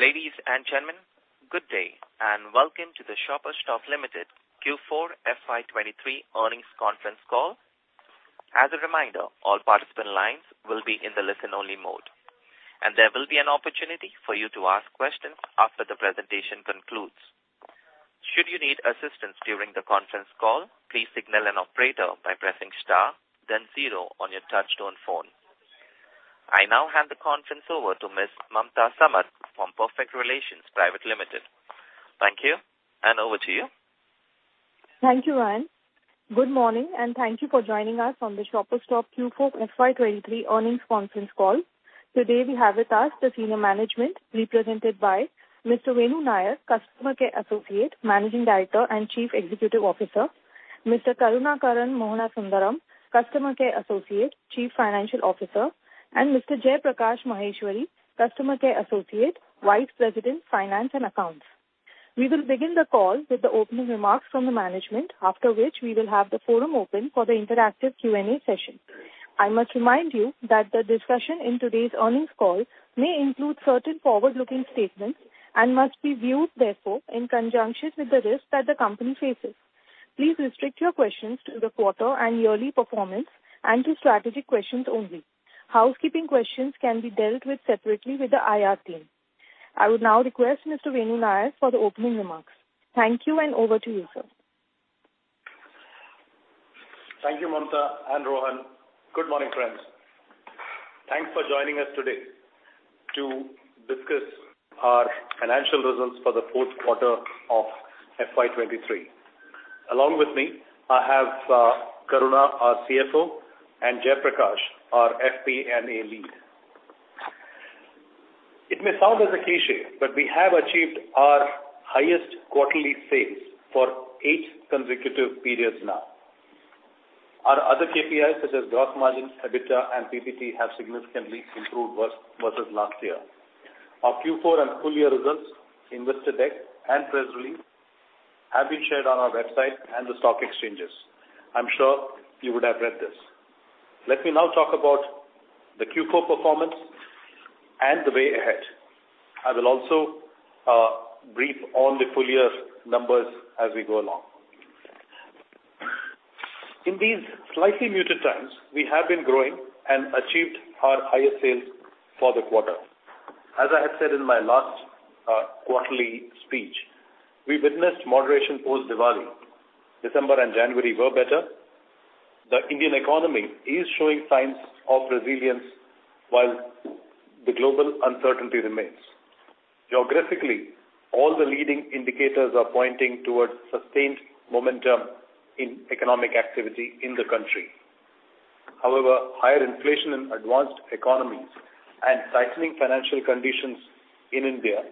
Ladies and gentlemen, good day, welcome to the Shoppers Stop Limited FY 2023 Earnings Conference Call. As a reminder, all participant lines will be in the listen-only mode, and there will be an opportunity for you to ask questions after the presentation concludes. Should you need assistance during the conference call, please signal an operator by pressing star then zero on your touch-tone phone. I now hand the conference over to Ms. Mamta Samat from Perfect Relations Private Limited. Thank you, and over to you. Thank you, Rohan. Good morning, and thank you for joining us on the Shoppers FY 2023 Earnings Conference Call. Today we have with us the senior management represented by Mr. Venu Nair, Customer Care Associate, Managing Director and Chief Executive Officer, Mr. Karunakaran Mohanasundaram, Customer Care Associate, Chief Financial Officer, and Mr. Jaiprakash Maheshwari, Customer Care Associate, Vice President, Finance and Accounts. We will begin the call with the opening remarks from the management, after which we will have the forum open for the interactive Q&A session. I must remind you that the discussion in today's earnings call may include certain forward-looking statements and must be viewed therefore in conjunction with the risks that the company faces. Please restrict your questions to the quarter and yearly performance and to strategic questions only. Housekeeping questions can be dealt with separately with the IR team. I would now request Mr. Venu Nair for the opening remarks. Thank you, and over to you, sir. Thank you, Mamta and Rohan. Good morning, friends. Thanks for joining us today to discuss our financial results for the fourth FY 2023. Along with me, I have Karuna, our CFO, and Jaiprakash, our FP&A lead. It may sound as a cliché, but we have achieved our highest quarterly sales for 8 consecutive periods now. Our other KPIs such as gross margins, EBITDA and PBT have significantly improved versus last year. Our Q4 and full year results, investor deck and press release have been shared on our website and the stock exchanges. I'm sure you would have read this. Let me now talk about the Q4 performance and the way ahead. I will also brief on the full year's numbers as we go along. In these slightly muted times, we have been growing and achieved our highest sales for the quarter. As I had said in my last quarterly speech, we witnessed moderation post-Diwali. December and January were better. The Indian economy is showing signs of resilience while the global uncertainty remains. Geographically, all the leading indicators are pointing towards sustained momentum in economic activity in the country. However, higher inflation in advanced economies and tightening financial conditions in India,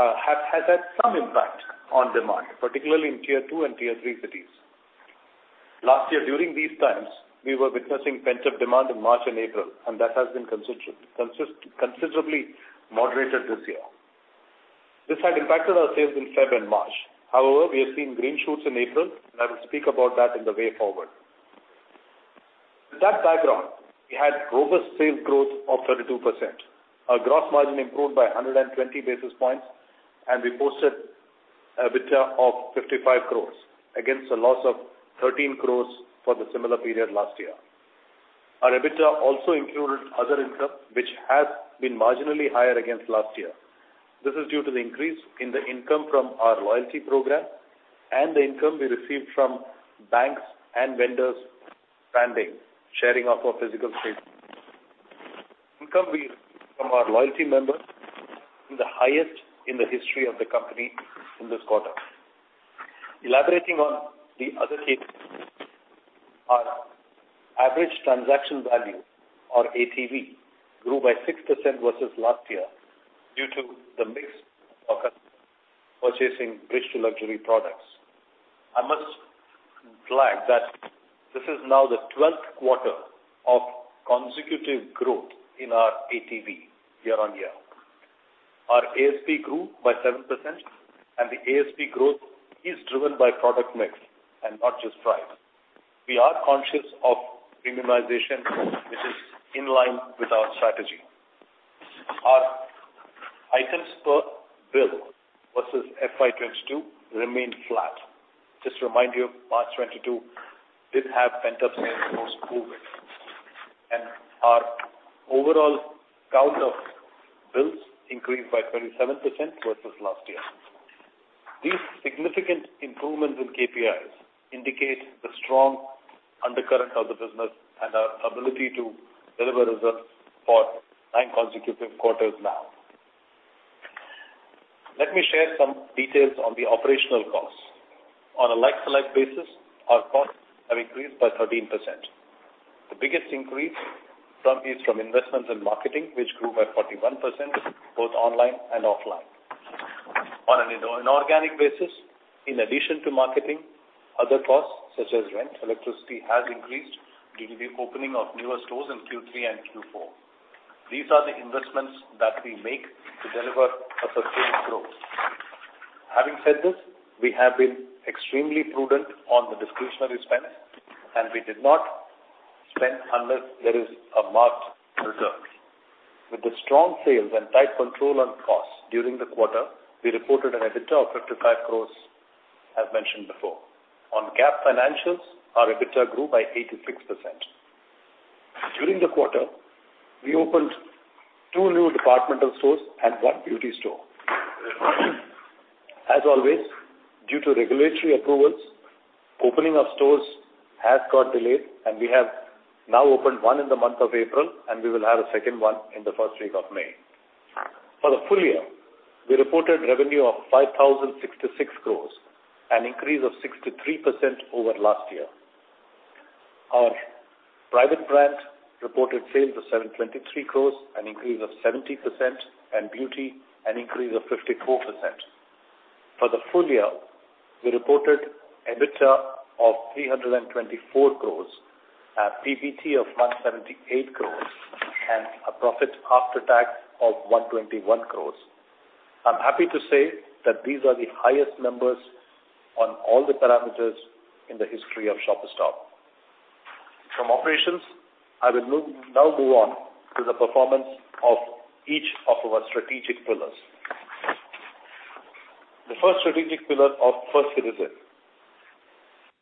has had some impact on demand, particularly in tier two and tier three cities. Last year during these times we were witnessing pent-up demand in March and April, and that has been considerably moderated this year. This had impacted our sales in February and March. However, we have seen green shoots in April, and I will speak about that in the way forward. With that background, we had robust sales growth of 32%. Our gross margin improved by 120 basis points. We posted EBITDA of 55 crores against a loss of 13 crores for the similar period last year. Our EBITDA also included other income, which has been marginally higher against last year. This is due to the increase in the income from our loyalty program and the income we received from banks and vendor landing, sharing of our physical space. Income we received from our loyalty members is the highest in the history of the company in this quarter. Elaborating on the other KPIs, our average transaction value, or ATV, grew by 6% versus last year due to the mix of purchasing bridge to luxury products. I must flag that this is now the 12th quarter of consecutive growth in our ATV year-on-year. Our ASP grew by 7% and the ASP growth is driven by product mix and not just price. We are conscious of premiumization which is in line with our strategy. Our items per FY 2022 remain flat. Just to remind you, March 22 did have pent-up sales post-COVID. Our overall count of bills increased by 27% versus last year. These significant improvements in KPIs indicate the strong undercurrent of the business and our ability to deliver results for nine consecutive quarters now. Let me share some details on the operational costs. On a like-to-like basis, our costs have increased by 13%. The biggest increase is from investments in marketing, which grew by 41% both online and offline. On an organic basis, in addition to marketing, other costs such as rent, electricity has increased due to the opening of newer stores in Q3 and Q4. These are the investments that we make to deliver a sustained growth. Having said this, we have been extremely prudent on the discretionary spend and we did not spend unless there is a marked return. With the strong sales and tight control on costs during the quarter, we reported an EBITDA of 55 crores, as mentioned before. On GAAP financials, our EBITDA grew by 86%. During the quarter, we opened two new departmental stores and one beauty store. As always, due to regulatory approvals, opening of stores has got delayed, and we have now opened one in the month of April, and we will have a second one in the first week of May. For the full year, we reported revenue of 5,066 crore, an increase of 63% over last year. Our private brand reported sales of 723 crore, an increase of 70%, and beauty an increase of 54%. For the full year, we reported EBITDA of 324 crore, PBT of 178 crore, and a profit after tax of 121 crore. I'm happy to say that these are the highest numbers on all the parameters in the history of Shoppers Stop. From operations, I will now move on to the performance of each of our strategic pillars. The first strategic pillar of First Citizen.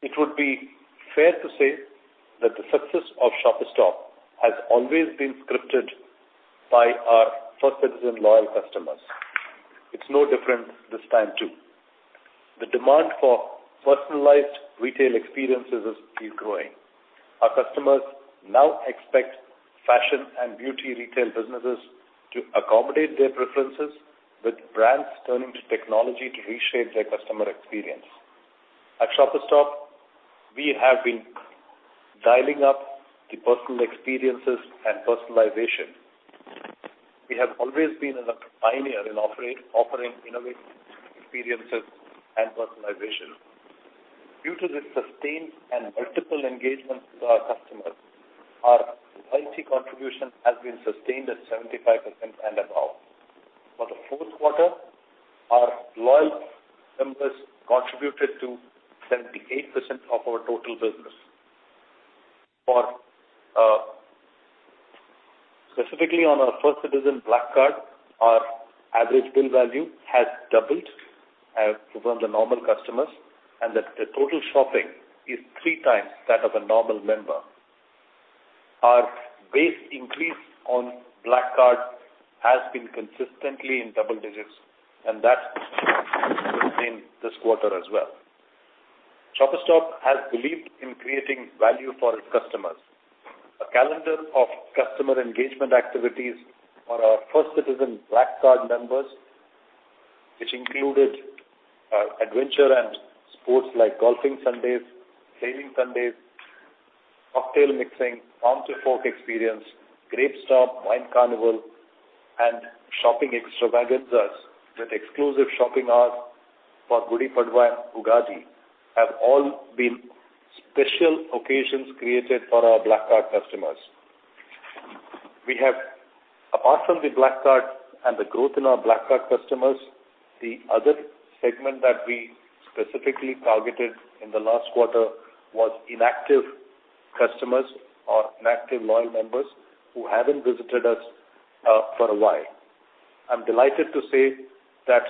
It would be fair to say that the success of Shoppers Stop has always been scripted by our First Citizen loyal customers. It's no different this time too. The demand for personalized retail experiences is still growing. Our customers now expect fashion and beauty retail businesses to accommodate their preferences, with brands turning to technology to reshape their customer experience. At Shoppers Stop, we have been dialing up the personal experiences and personalization. We have always been a pioneer in offering innovative experiences and personalization. Due to this sustained and multiple engagement with our customers, our loyalty contribution has been sustained at 75% and above. For the fourth quarter, our loyal members contributed to 78% of our total business. Specifically on our First Citizen Black Card, our average bill value has doubled from the normal customers, and the total shopping is three times that of a normal member. Our base increase on Black Card has been consistently in double digits, and that sustained this quarter as well. Shoppers Stop has believed in creating value for its customers. A calendar of customer engagement activities for our First Citizen Black Card members, which included adventure and sports, like golfing Sundays, sailing Sundays, cocktail mixing, farm to fork experience, grape stomp, wine carnival, and shopping extravaganzas with exclusive shopping hours for Gudi Padwa and Ugadi, have all been special occasions created for our Black Card customers. We have, apart from the Black Card and the growth in our Black Card customers, the other segment that we specifically targeted in the last quarter was inactive customers or inactive loyal members who haven't visited us for a while. I'm delighted to say that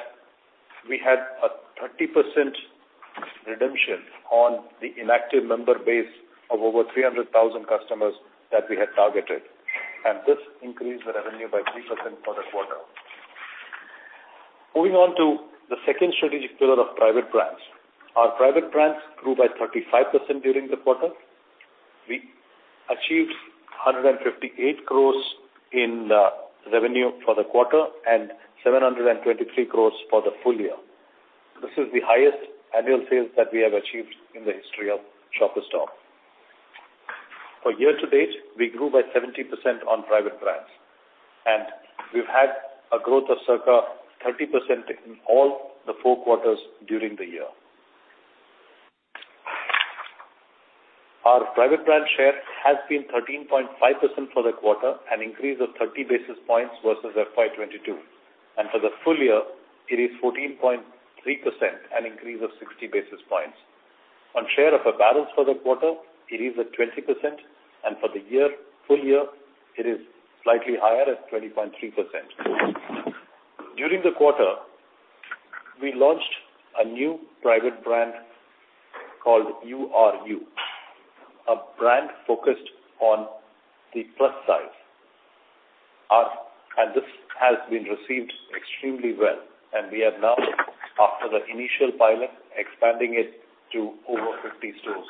we had a 30% redemption on the inactive member base of over 300,000 customers that we had targeted, and this increased the revenue by 3% for the quarter. Moving on to the second strategic pillar of private brands. Our private brands grew by 35% during the quarter. We achieved 158 crores in revenue for the quarter and 723 crores for the full year. This is the highest annual sales that we have achieved in the history of Shoppers Stop. For year-to-date, we grew by 70% on private brands, and we've had a growth of circa 30% in all the 4 quarters during the year. Our private brand share has been 13.5% for the quarter, an increase of 30 basis FY 2022. For the full year, it is 14.3%, an increase of 60 basis points. On share of a balance for the quarter, it is at 20%, and for the year, full year, it is slightly higher at 20.3%. During the quarter, we launched a new private brand called U R You, a brand focused on the plus size. This has been received extremely well, we are now, after the initial pilot, expanding it to over 50 stores.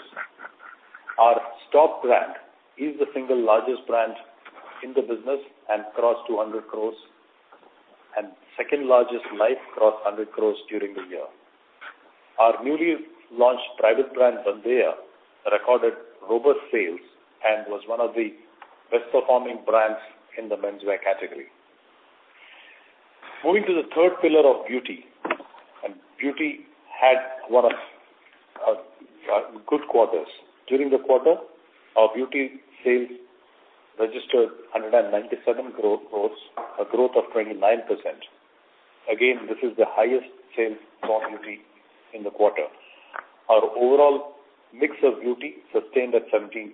Our stock brand is the single largest brand in the business and crossed 200 crores, and second largest Life crossed 100 crores during the year. Our newly launched private brand, Bandeya, recorded robust sales and was one of the best performing brands in the menswear category. Moving to the third pillar of beauty, and beauty had one of good quarters. During the quarter, our beauty sales registered 197 growth, a growth of 29%. Again, this is the highest sales for beauty in the quarter. Our overall mix of beauty sustained at 17%.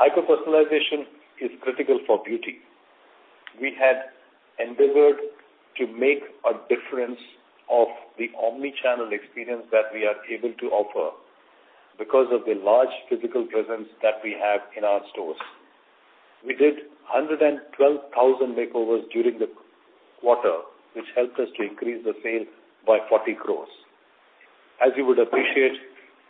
Hyper-personalization is critical for beauty. We had endeavored to make a difference of the omni-channel experience that we are able to offer because of the large physical presence that we have in our stores. We did 112,000 makeovers during the quarter, which helped us to increase the sales by 40 crores. As you would appreciate,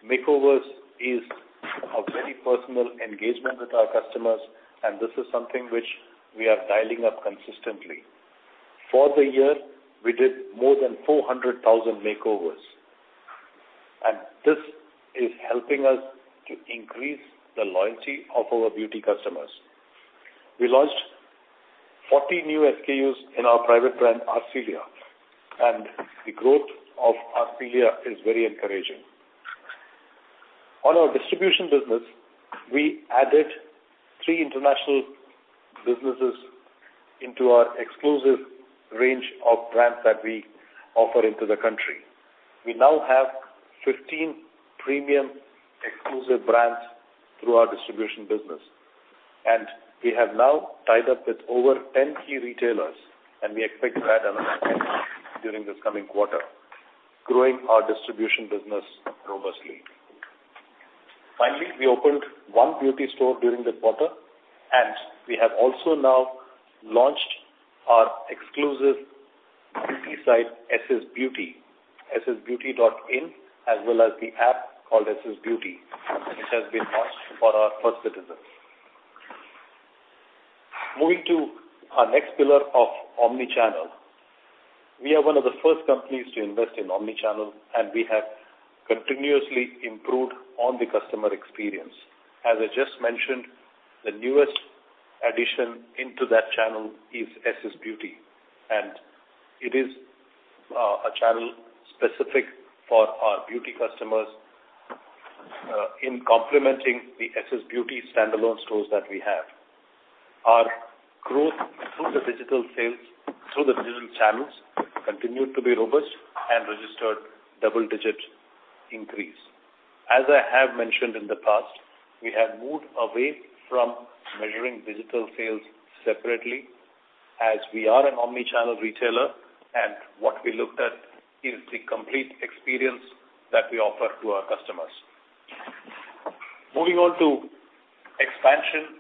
makeovers is a very personal engagement with our customers, and this is something which we are dialing up consistently. For the year, we did more than 400,000 makeovers, and this is helping us to increase the loyalty of our beauty customers. We launched 40 new SKUs in our private brand, Arcelia, and the growth of Arcelia is very encouraging. On our distribution business, we added three international businesses into our exclusive range of brands that we offer into the country. We now have 15 premium exclusive brands through our distribution business, and we have now tied up with over 10 key retailers, and we expect to add another 10 during this coming quarter, growing our distribution business robustly. Finally, we opened one beauty store during the quarter, and we have also now launched our exclusive beauty site, SSBeauty, ssbeauty.in, as well as the app called SSBeauty, which has been launched for our First Citizen. Moving to our next pillar of omni-channel. We are one of the first companies to invest in omni-channel, and we have continuously improved on the customer experience. As I just mentioned, the newest addition into that channel is SSBeauty, and it is a channel specific for our beauty customers in complementing the SSBeauty standalone stores that we have. Our growth through the digital sales, through the digital channels continued to be robust and registered double digit increase. As I have mentioned in the past, we have moved away from measuring digital sales separately as we are an omni-channel retailer, and what we looked at is the complete experience that we offer to our customers. Moving on to expansion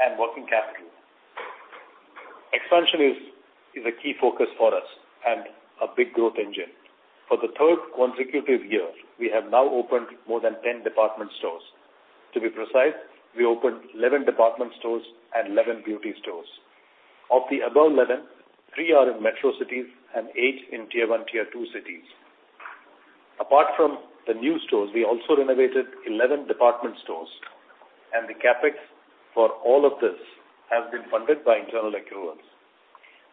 and working capital. Expansion is a key focus for us and a big growth engine. For the third consecutive year, we have now opened more than 10 department stores. To be precise, we opened 11 department stores and 11 beauty stores. Of the above 11, three are in metro cities and eight in tier one, tier two cities. Apart from the new stores, we also renovated 11 department stores. The CapEx for all of this has been funded by internal accruals.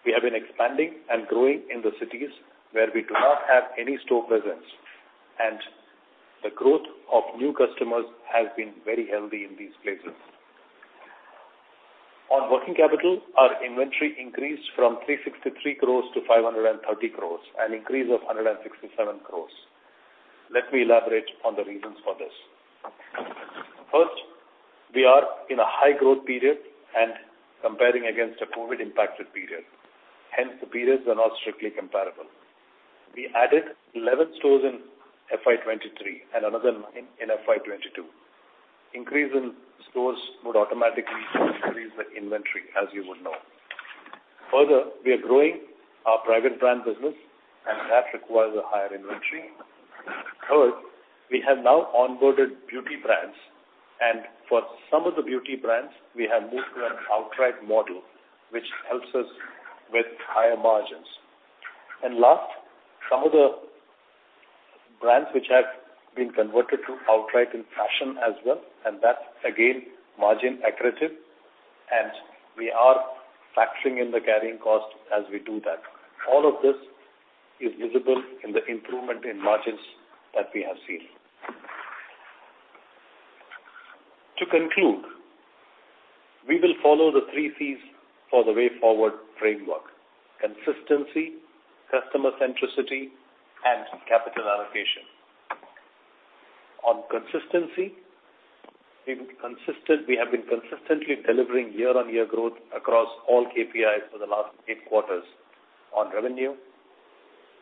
We have been expanding and growing in the cities where we do not have any store presence. The growth of new customers has been very healthy in these places. On working capital, our inventory increased from 363 crores to 530 crores, an increase of 167 crores. Let me elaborate on the reasons for this. First, we are in a high growth period and comparing against a COVID impacted period. The periods are not strictly comparable. We added 11 FY 2023 and another FY 2022. Increase in stores would automatically increase the inventory, as you would know. We are growing our private brand business and that requires a higher inventory. Third, we have now onboarded beauty brands and for some of the beauty brands we have moved to an outright model which helps us with higher margins. Last, some of the brands which have been converted to outright in fashion as well, and that's again margin accretive, and we are factoring in the carrying cost as we do that. All of this is visible in the improvement in margins that we have seen. To conclude, we will follow the three Cs for the way forward framework: consistency, customer centricity and capital allocation. On consistency, we have been consistently delivering year-on-year growth across all KPIs for the last eight quarters on revenue,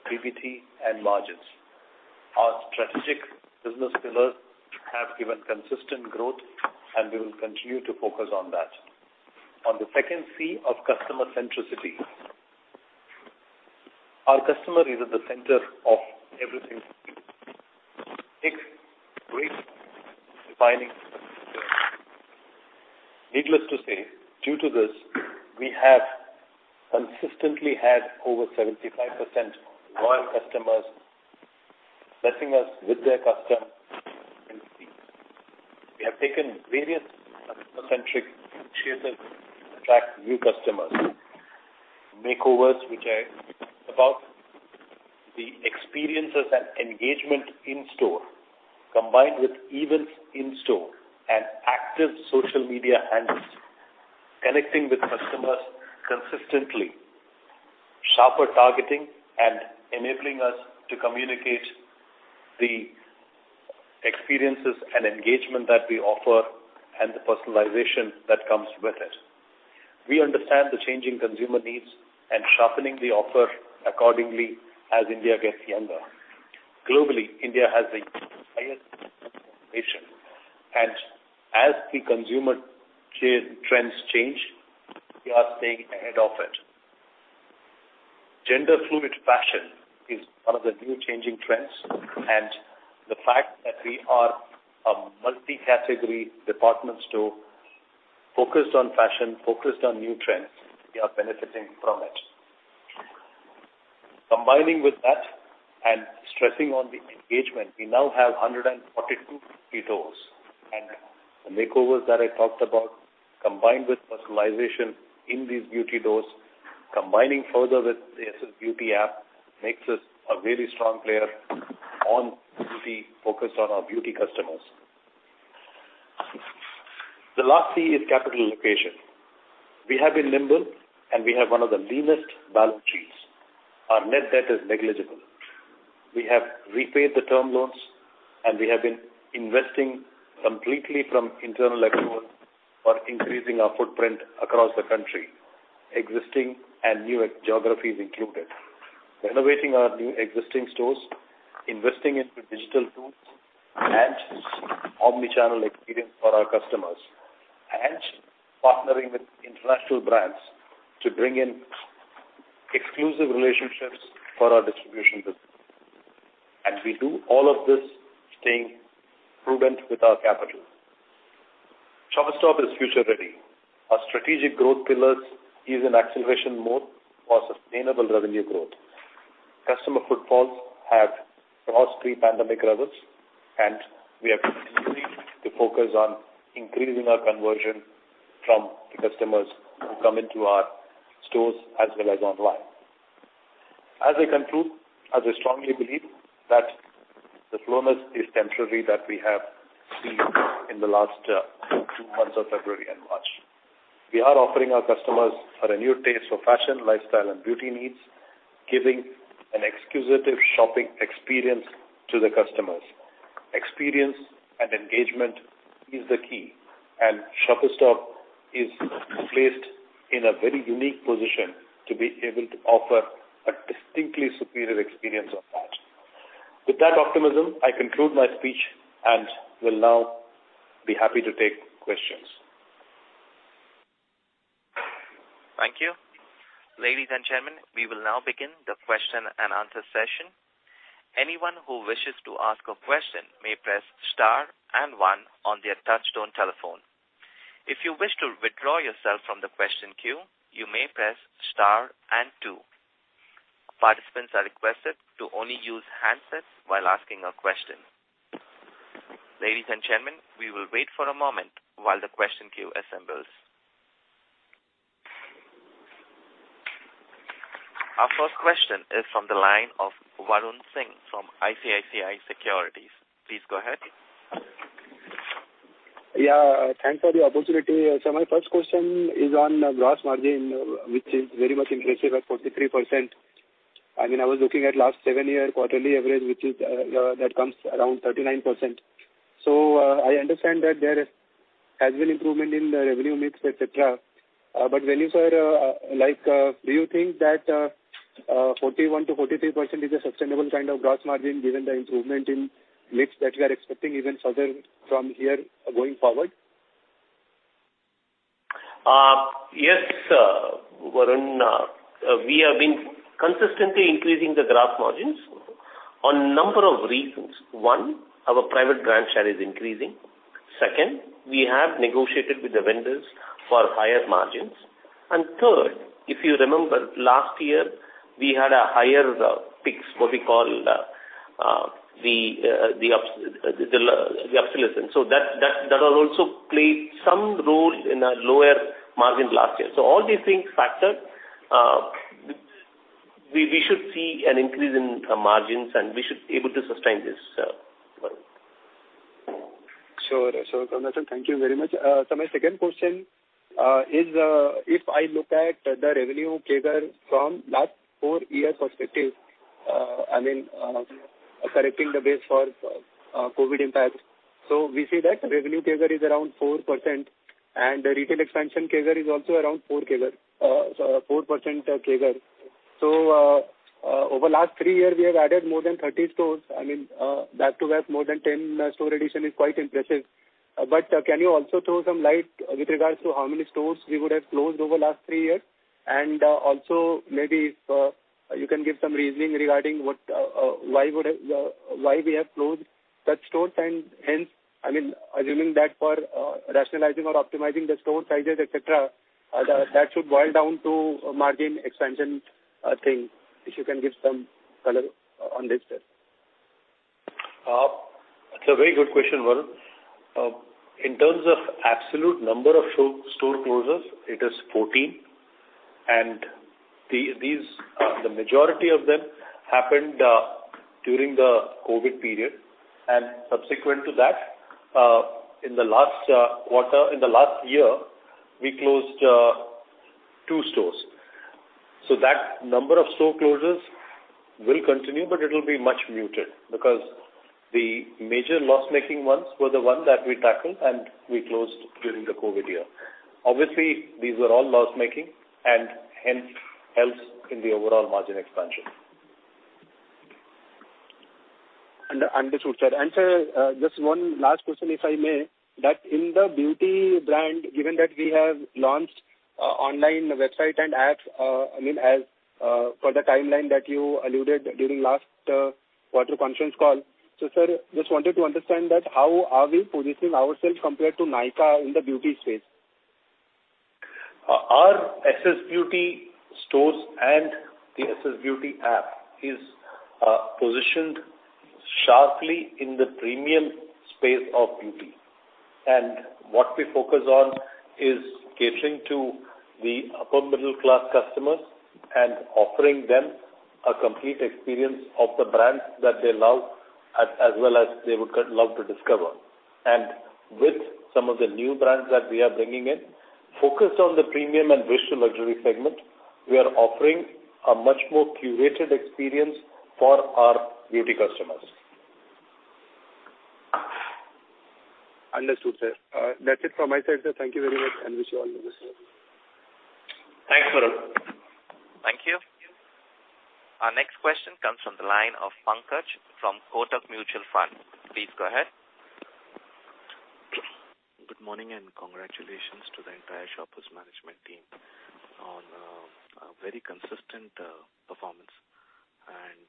PBT and margins. Our strategic business pillars have given consistent growth, and we will continue to focus on that. On the second C of customer centricity. Our customer is at the center of everything. Needless to say, due to this, we have consistently had over 75% loyal customers blessing us with their custom. We have taken various customer-centric initiatives to attract new customers. Makeovers which I spoke about. The experiences and engagement in-store, combined with events in-store and active social media handles, connecting with customers consistently, sharper targeting and enabling us to communicate the experiences and engagement that we offer and the personalization that comes with it. We understand the changing consumer needs and sharpening the offer accordingly as India gets younger. Globally, India has the highest nation, and as the consumer trends change, we are staying ahead of it. Gender fluid fashion is one of the new changing trends. The fact that we are a multi-category department store focused on fashion, focused on new trends, we are benefiting from it. Combining with that and stressing on the engagement, we now have 142 beauty doors. The makeovers that I talked about, combined with personalization in these beauty doors, combining further with the SSBeauty app, makes us a very strong player on beauty, focused on our beauty customers. The last C is capital allocation. We have been nimble, and we have one of the leanest balance sheets. Our net debt is negligible. We have repaid the term loans, and we have been investing completely from internal accrual for increasing our footprint across the country, existing and new geographies included. Renovating our new existing stores, investing into digital tools and omni-channel experience for our customers, and partnering with international brands to bring in exclusive relationships for our distribution business. We do all of this staying prudent with our capital. Shoppers Stop is future ready. Our strategic growth pillars is in acceleration mode for sustainable revenue growth. Customer footfalls have crossed pre-pandemic levels, and we are continuing to focus on increasing our conversion from the customers who come into our stores as well as online. As I conclude, I strongly believe that the slowness is temporary that we have seen in the last two months of February and March. We are offering our customers a renewed taste for fashion, lifestyle and beauty needs, giving an exclusive shopping experience to the customers. Experience and engagement is the key, and Shoppers Stop is placed in a very unique position to be able to offer a distinctly superior experience on that. With that optimism, I conclude my speech and will now be happy to take questions. Thank you. Ladies and gentlemen, we will now begin the Q&A session. Anyone who wishes to ask a question may press star and one on their touch-tone telephone. If you wish to withdraw yourself from the question queue, you may press star and two. Participants are requested to only use handsets while asking a question. Ladies and gentlemen, we will wait for a moment while the question queue assembles. Our first question is from the line of Varun Singh from ICICI Securities. Please go ahead. Thanks for the opportunity. My first question is on gross margin, which is very much impressive at 43%. I mean, I was looking at last seven-year quarterly average, which is, that comes around 39%. I understand that there has been improvement in the revenue mix, et cetera. When you say, like, do you think that 41% to 43% is a sustainable kind of gross margin given the improvement in mix that you are expecting even further from here going forward? Yes, Varun. We have been consistently increasing the gross margins on number of reasons. One, our private brand share is increasing. Second, we have negotiated with the vendors for higher margins. Third, if you remember last year, we had a higher picks, what we call the upsell. That also played some role in our lower margin last year. All these things factor, we should see an increase in margins, and we should able to sustain this, Varun. Sure, Karuna sir. Thank you very much. So my second question is, if I look at the revenue CAGR from last four-year perspective, I mean, correcting the base for COVID impact. We see that revenue CAGR is around 4%, and the retail expansion CAGR is also around 4 CAGR. So 4% CAGR. Over last three year, we have added more than 30 stores. I mean, back to back more than 10 store addition is quite impressive. Can you also throw some light with regards to how many stores we would have closed over the last three years? also maybe if you can give some reasoning regarding why we have closed that stores and hence, I mean, assuming that for rationalizing or optimizing the store sizes, et cetera, that should boil down to a margin expansion thing, if you can give some color on this, sir. It's a very good question, Varun. In terms of absolute number of store closures, it is 14, and the majority of them happened during the COVID period, and subsequent to that, in the last year, we closed two stores. That number of store closures will continue, but it'll be much muted because the major loss-making ones were the ones that we tackled and we closed during the COVID year. Obviously, these were all loss-making and hence, helps in the overall margin expansion. Under-understood, sir. Sir, just one last question, if I may. That in the beauty brand, given that we have launched online website and apps, I mean, as for the timeline that you alluded during last quarter conference call. Sir, just wanted to understand that how are we positioning ourselves compared to Nykaa in the beauty space? Our SSBeauty stores and the SSBeauty app is positioned sharply in the premium space of beauty. What we focus on is catering to the upper middle-class customers and offering them a complete experience of the brands that they love as well as they would love to discover. With some of the new brands that we are bringing in, focused on the premium and virtual luxury segment, we are offering a much more curated experience for our beauty customers. Understood, sir. That's it from my side, sir. Thank you very much and wish you all the best. Thanks, Varun. Thank you. Our next question comes from the line of Pankaj from Kotak Mutual Fund. Please go ahead. Good morning and congratulations to the entire Shoppers management team on a very consistent performance and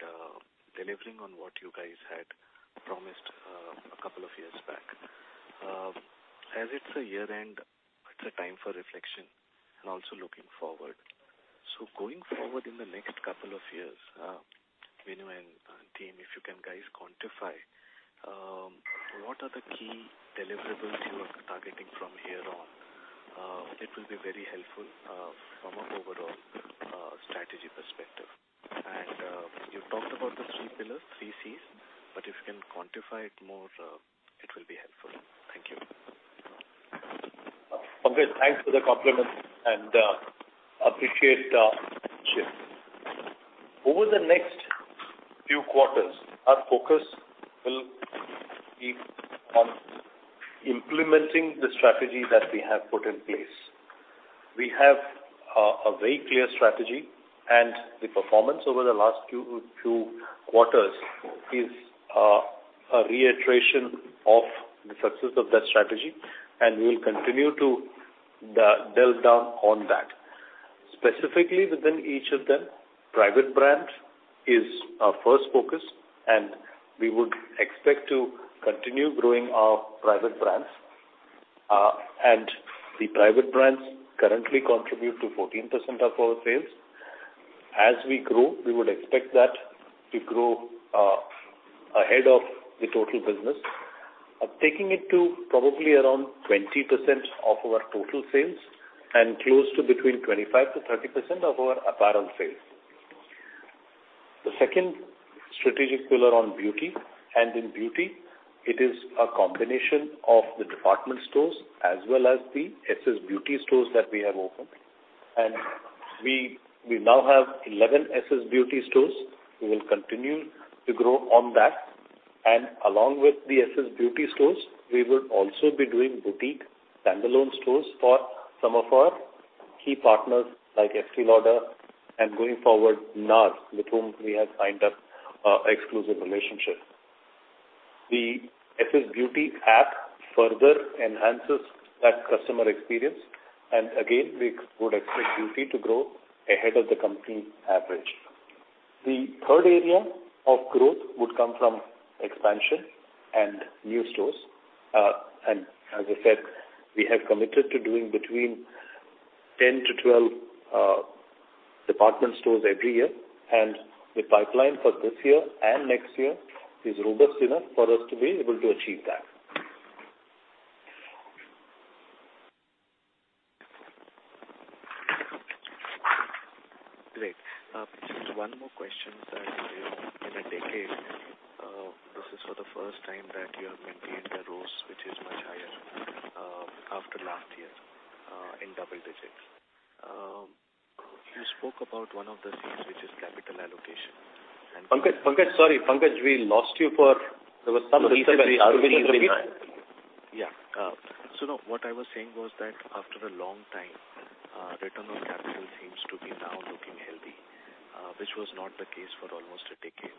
delivering on what you guys had promised two years back. As it's a year-end, it's a time for reflection and also looking forward. Going forward in the next two years, Venu and team, if you can guys quantify what are the key deliverables you are targeting from here on? It will be very helpful from an overall strategy perspective. You talked about the three pillars, 3 Cs, but if you can quantify it more, it will be helpful. Thank you. Pankaj, thanks for the compliment and appreciate it. Over the next few quarters, our focus will be on implementing the strategy that we have put in place. We have a very clear strategy, and the performance over the last two quarters is a reiteration of the success of that strategy, and we will continue to delve down on that. Specifically within each of them, private brand is our first focus, and we would expect to continue growing our private brands. And the private brands currently contribute to 14% of our sales. As we grow, we would expect that to grow ahead of the total business, taking it to probably around 20% of our total sales and close to between 25%-30% of our apparel sales. The second strategic pillar on beauty, and in beauty it is a combination of the department stores as well as the SSBeauty stores that we have opened. We now have 11 SSBeauty stores. We will continue to grow on that. Along with the SSBeauty stores, we will also be doing boutique standalone stores for some of our key partners like Estée Lauder, and going forward, NARS, with whom we have signed a exclusive relationship. The SSBeauty app further enhances that customer experience, and again, we would expect beauty to grow ahead of the company average. The third area of growth would come from expansion and new stores. As I said, we have committed to doing between 10 to 12 department stores every year, and the pipeline for this year and next year is robust enough for us to be able to achieve that. Great. Just one more question, sir. In a decade, this is for the first time that you have maintained the ROEs, which is much higher, after last year, in double digits. You spoke about one of the Cs, which is capital allocation, and Pankaj, sorry. Pankaj, we lost you for- there was some disturbance. Could you repeat? Yeah. No, what I was saying was that after a long time, return on capital seems to be now looking healthy, which was not the case for almost a decade.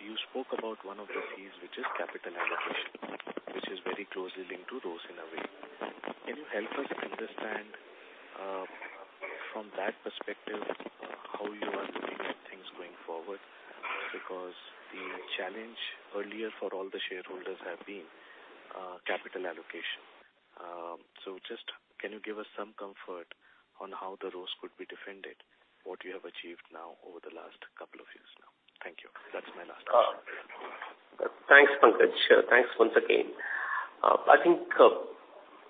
You spoke about one of the Cs, which is capital allocation, which is very closely linked to ROEs in a way. Can you help us understand, from that perspective, how you are looking at things going forward? Because the challenge earlier for all the shareholders have been, capital allocation. Just can you give us some comfort on how the ROEs could be defended, what you have achieved now over the last couple of years now? Thank you. That's my last question. Thanks, Pankaj. Thanks once again. I think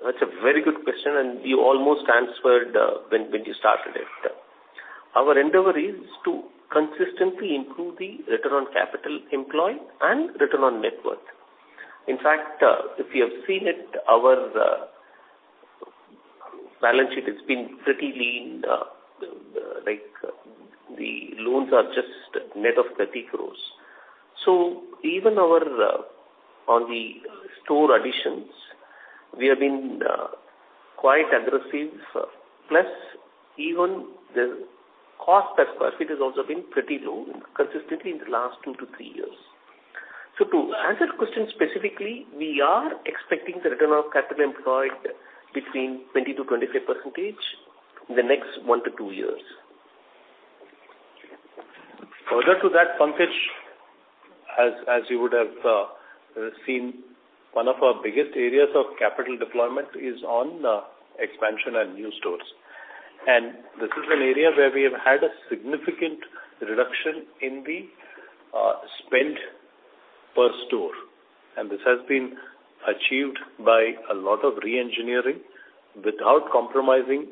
that's a very good question. You almost answered when you started it. Our endeavor is to consistently improve the return on capital employed and return on net worth. In fact, if you have seen it, our balance sheet has been pretty lean. Like, the loans are just net of 30 crore. Even our on the store additions, we have been quite aggressive. Plus, even the cost per sq ft has also been pretty low consistently in the last two-three years. To answer your question specifically, we are expecting the return on capital employed between 20%-25% in the next one-two years. Further to that, Pankaj, as you would have seen, one of our biggest areas of capital deployment is on expansion and new stores. This is an area where we have had a significant reduction in the spend per store, and this has been achieved by a lot of reengineering without compromising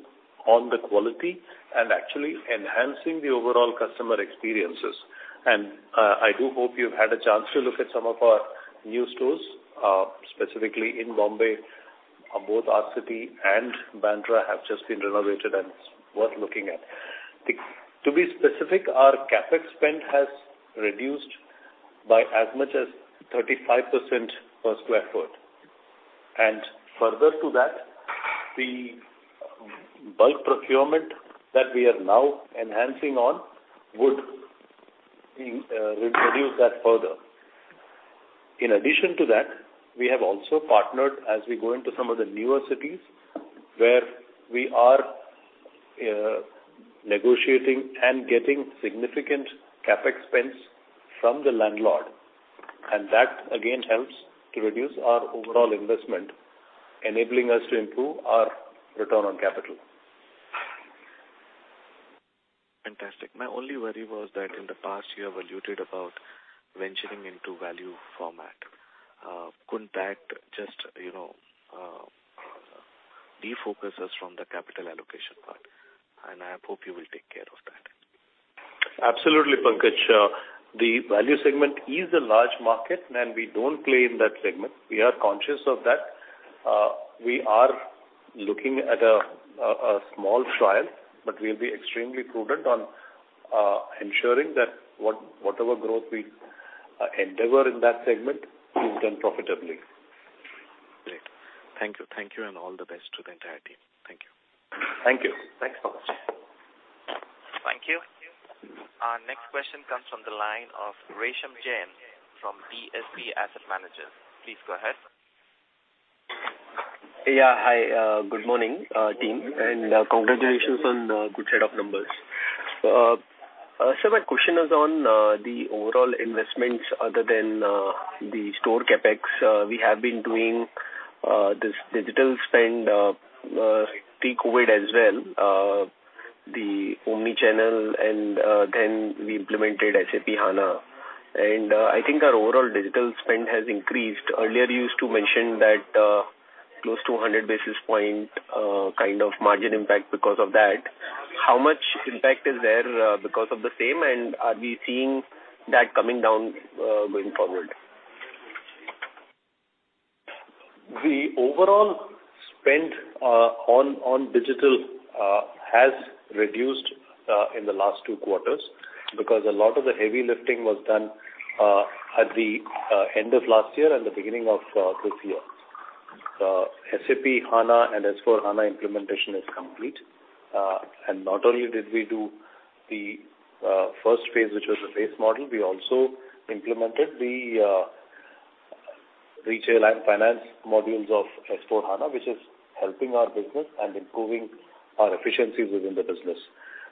on the quality and actually enhancing the overall customer experiences. I do hope you've had a chance to look at some of our new stores specifically in Bombay. Both R City and Bandra have just been renovated and it's worth looking at. To be specific, our CapEx spend has reduced by as much as 35% per sq ft. Further to that, the bulk procurement that we are now enhancing on would reduce that further. In addition to that, we have also partnered as we go into some of the newer cities, where we are negotiating and getting significant CapEx spends from the landlord, and that, again, helps to reduce our overall investment, enabling us to improve our return on capital. Fantastic. My only worry was that in the past year, we alluded about venturing into value format. Couldn't that just, you know, defocus us from the capital allocation part? I hope you will take care of that. Absolutely, Pankaj. The value segment is a large market, and we don't play in that segment. We are conscious of that. We are looking at a small trial, but we'll be extremely prudent on ensuring that whatever growth we endeavor in that segment is done profitably. Great. Thank you. Thank you, and all the best to the entire team. Thank you. Thank you. Thanks so much. Thank you. Our next question comes from the line of Resham Jain from DSP Asset Managers. Please go ahead. Hi. Good morning, team, and congratulations on good set of numbers. Sir, my question is on the overall investments other than the store CapEx. We have been doing this digital spend pre-COVID as well, the omni-channel, and then we implemented SAP HANA. I think our overall digital spend has increased. Earlier you used to mention that close to 100 basis point kind of margin impact because of that. How much impact is there because of the same, and are we seeing that coming down going forward? The overall spend on digital has reduced in the last two quarters because a lot of the heavy lifting was done at the end of last year and the beginning of this year. SAP HANA and S/4HANA implementation is complete. Not only did we do the first phase, which was the base model, we also implemented the retail and finance modules of S/4HANA, which is helping our business and improving our efficiencies within the business.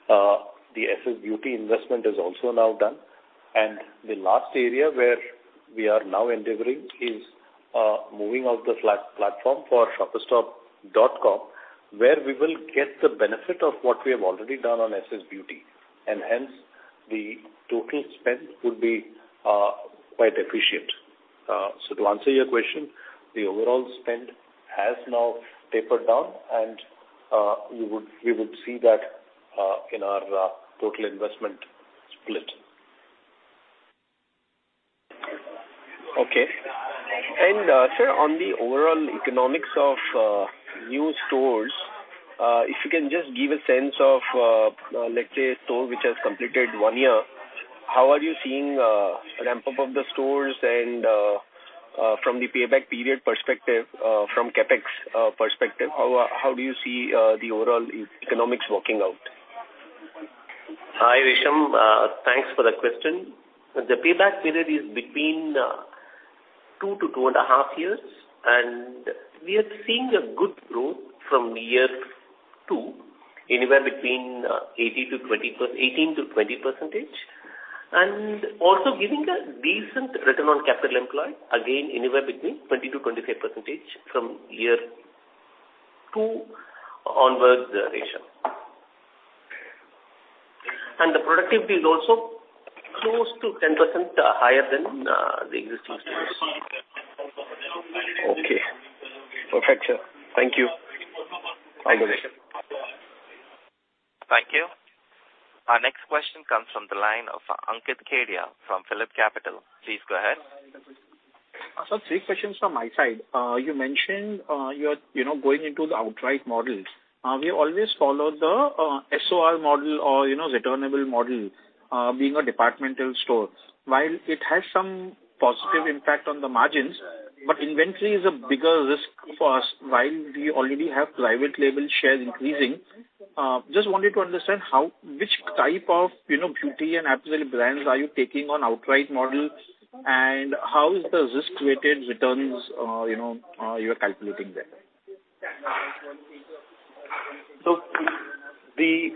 The SSBeauty investment is also now done. The last area where we are now endeavoring is moving out the platform for shoppersstop.com, where we will get the benefit of what we have already done on SSBeauty, and hence, the total spend would be quite efficient. To answer your question, the overall spend has now tapered down, and you would see that in our total investment split. Okay. Sir, on the overall economics of new stores, if you can just give a sense of, let's say a store which has completed one year, how are you seeing ramp up of the stores? From the payback period perspective, from CapEx perspective, how do you see the overall economics working out? Hi, Resham. Thanks for the question. The payback period is between two to two and a half years. We are seeing a good growth from year two, anywhere between 18%-20%. Also giving a decent return on capital employed, again anywhere between 20%-25% from year two onwards ratio. The productivity is also close to 10% higher than the existing stores. Okay. Perfect, sir. Thank you. Thank you. Thank you. Our next question comes from the line of Ankit Kedia from PhillipCapital. Please go ahead. Sir, three questions from my side. You mentioned, you're, you know, going into the outright models. We always follow the SOR model or, you know, returnable model, being a departmental store. While it has some positive impact on the margins, inventory is a bigger risk for us while we already have private label shares increasing. Just wanted to understand which type of, you know, beauty and ancillary brands are you taking on outright models, and how is the risk-weighted returns, you know, you're calculating there? The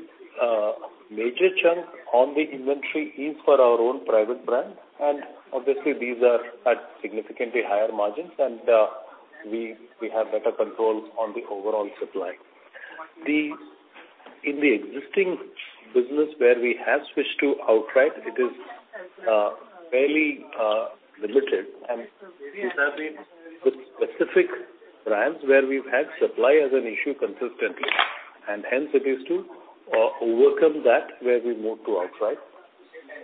major chunk on the inventory is for our own private brand, and obviously these are at significantly higher margins, and we have better control on the overall supply. In the existing business where we have switched to outright, it is fairly limited, and these have been with specific brands where we've had supply as an issue consistently, and hence it is to overcome that where we move to outright.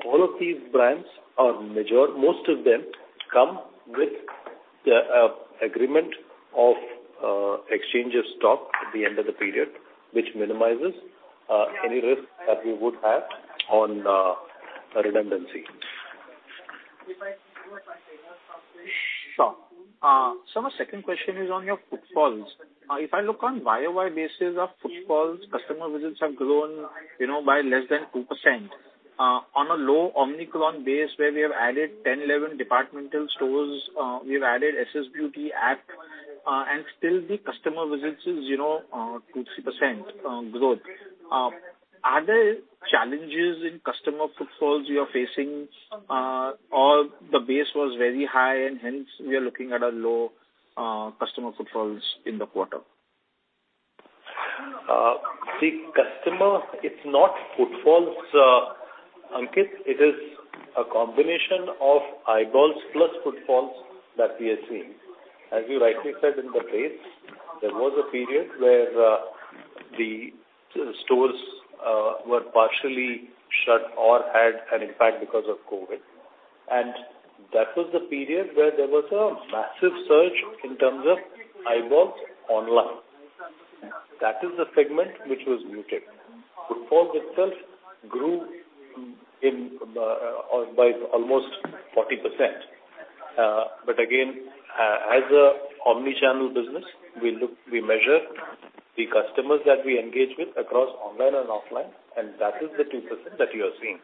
All of these brands are. Most of them come with the agreement of exchange of stock at the end of the period, which minimizes any risk that we would have on a redundancy. Sure. Sir, my second question is on your footfalls. If I look on YoY basis of footfalls, customer visits have grown, you know, by less than 2%. On a low omnichannel base where we have added 10-11 departmental stores, we have added SSBeauty app. Still the customer visits is, you know, 2-3% growth. Are there challenges in customer footfalls you are facing, or the base was very high and hence we are looking at a low customer footfalls in the quarter? The customer, it's not footfalls, Ankit. It is a combination of eyeballs plus footfalls that we have seen. As you rightly said in the base, there was a period where the stores were partially shut or had an impact because of COVID, that was the period where there was a massive surge in terms of eyeballs online. That is the segment which was muted. Footfall itself grew by almost 40%. Again, as an omni-channel business, we look, we measure the customers that we engage with across online and offline. That is the 2% that you are seeing.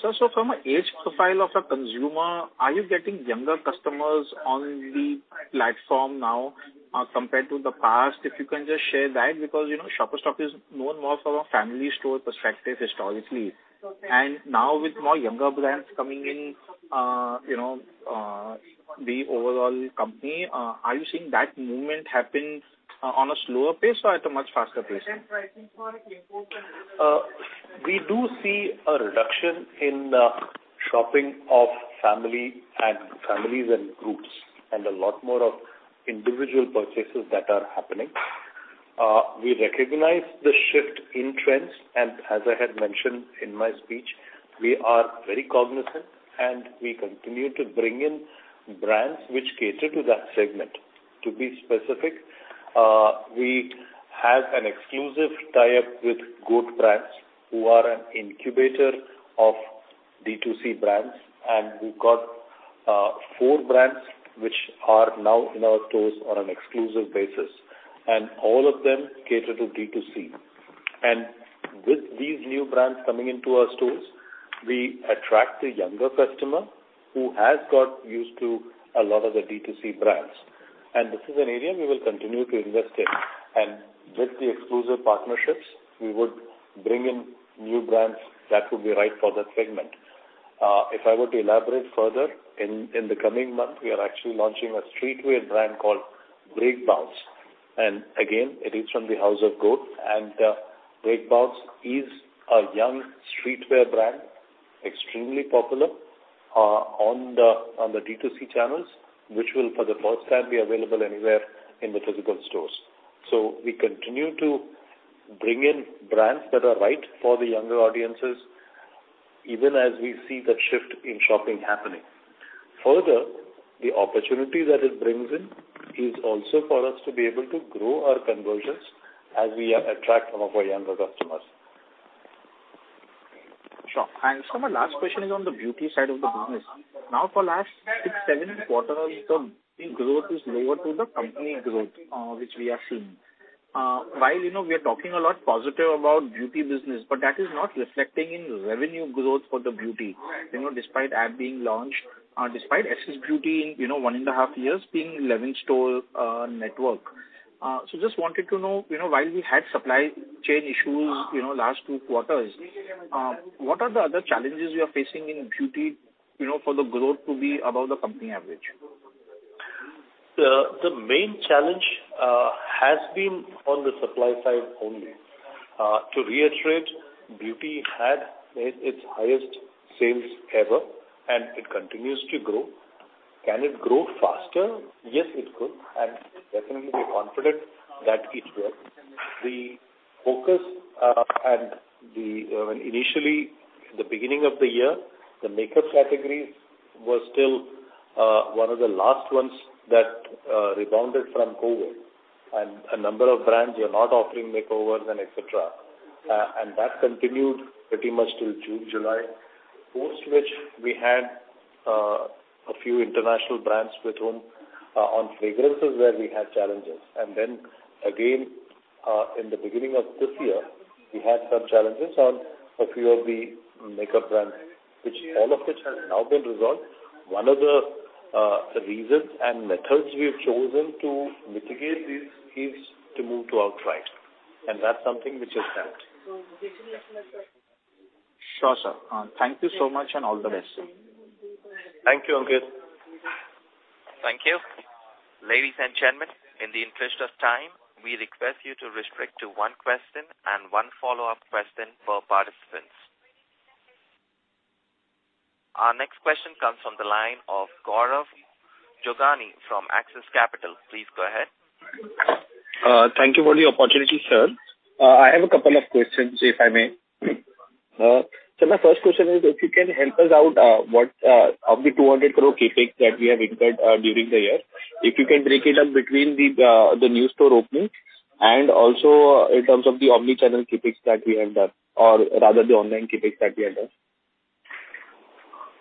Sir, from an age profile of a consumer, are you getting younger customers on the platform now, compared to the past? If you can just share that because, you know, Shoppers Stop is known more for a family store perspective historically. Now with more younger brands coming in, you know, the overall company, are you seeing that movement happen on a slower pace or at a much faster pace? We do see a reduction in the shopping of family and families and groups, and a lot more of individual purchases that are happening. We recognize the shift in trends, and as I had mentioned in my speech, we are very cognizant, and we continue to bring in brands which cater to that segment. To be specific, we have an exclusive tie-up with GOAT Brands, who are an incubator of D2C brands, and we've got four brands which are now in our stores on an exclusive basis, and all of them cater to D2C. With these new brands coming into our stores, we attract a younger customer who has got used to a lot of the D2C brands. This is an area we will continue to invest in. With the exclusive partnerships, we would bring in new brands that would be right for that segment. If I were to elaborate further, in the coming month, we are actually launching a streetwear brand called Breakbounce. Again, it is from the house of GOAT, and Breakbounce is a young streetwear brand, extremely popular on the D2C channels, which will for the first time be available anywhere in the physical stores. We continue to bring in brands that are right for the younger audiences, even as we see the shift in shopping happening. The opportunity that it brings in is also for us to be able to grow our conversions as we attract some of our younger customers. Sure. Sir, my last question is on the beauty side of the business. Now for last 6-7 quarters, the growth is lower to the company growth, which we have seen. While, you know, we are talking a lot positive about beauty business, but that is not reflecting in revenue growth for the beauty. You know, despite app being launched, despite SSBeauty in, you know, one and a half years being 11 store network. Just wanted to know, you know, while we had supply chain issues, you know, last two quarters, what are the other challenges you are facing in beauty, you know, for the growth to be above the company average? The main challenge has been on the supply side only. To reiterate, beauty had made its highest sales ever. It continues to grow. Can it grow faster? Yes, it could. Definitely we're confident that it will. The focus. Initially, the beginning of the year, the makeup categories were still one of the last ones that rebounded from COVID. A number of brands were not offering makeovers and et cetera. That continued pretty much till June, July, post which we had a few international brands with whom on fragrances where we had challenges. Then again, in the beginning of this year, we had some challenges on a few of the makeup brands, which all of which has now been resolved. One of the reasons and methods we have chosen to mitigate this is to move to outright. That's something which has helped. Sure, sir. Thank you so much and all the best. Thank you, Ankit. Thank you. Ladies and gentlemen, in the interest of time, we request you to restrict to one question and one follow-up question per participants. Our next question comes from the line of Gaurav Jogani from Axis Capital. Please go ahead. Thank you for the opportunity, sir. I have a couple of questions, if I may. My first question is if you can help us out, what of the 200 crore CapEx that we have incurred during the year, if you can break it up between the new store openings and also in terms of the omni-channel CapEx that we have done, or rather the online CapEx that we have done.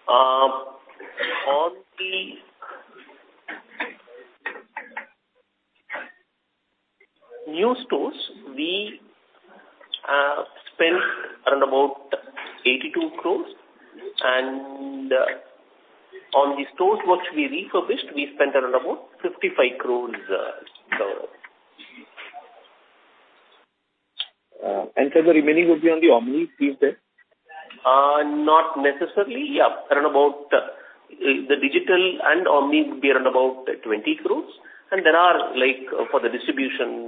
On the new stores, we spent around about 82 crores. On the stores which we refurbished, we spent around about 55 crores, Gaurav. The remaining would be on the omni, is it? Not necessarily. Around about the digital and omni would be around about 20 crores. There are for the distribution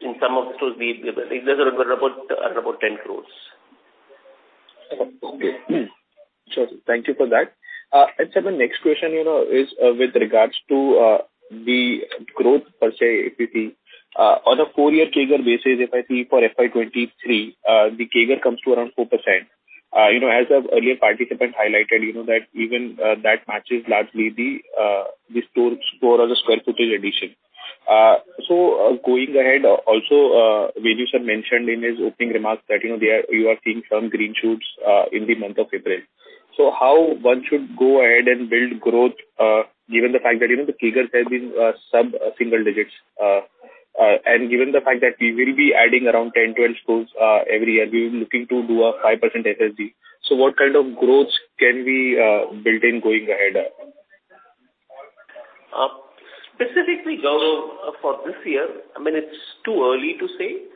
in some of the tools we have, there's around about 10 crores. Okay. Thank you for that. Sir, my next question, you know, is with regards to the growth per se, if you see on a 4-year CAGR basis, if I FY 2023, the CAGR comes to around 4%. You know, as a earlier participant highlighted, you know, that even that matches largely the store or the square footage addition. Going ahead, also, Venu sir mentioned in his opening remarks that, you know, you are seeing some green shoots in the month of April. How one should go ahead and build growth, given the fact that, you know, the CAGRs have been sub single digits, and given the fact that we will be adding around 10-12 stores every year, we'll be looking to do a 5% SSG. What kind of growth can we build in going ahead? Specifically, Gaurav, for this year, I mean, it's too early to say.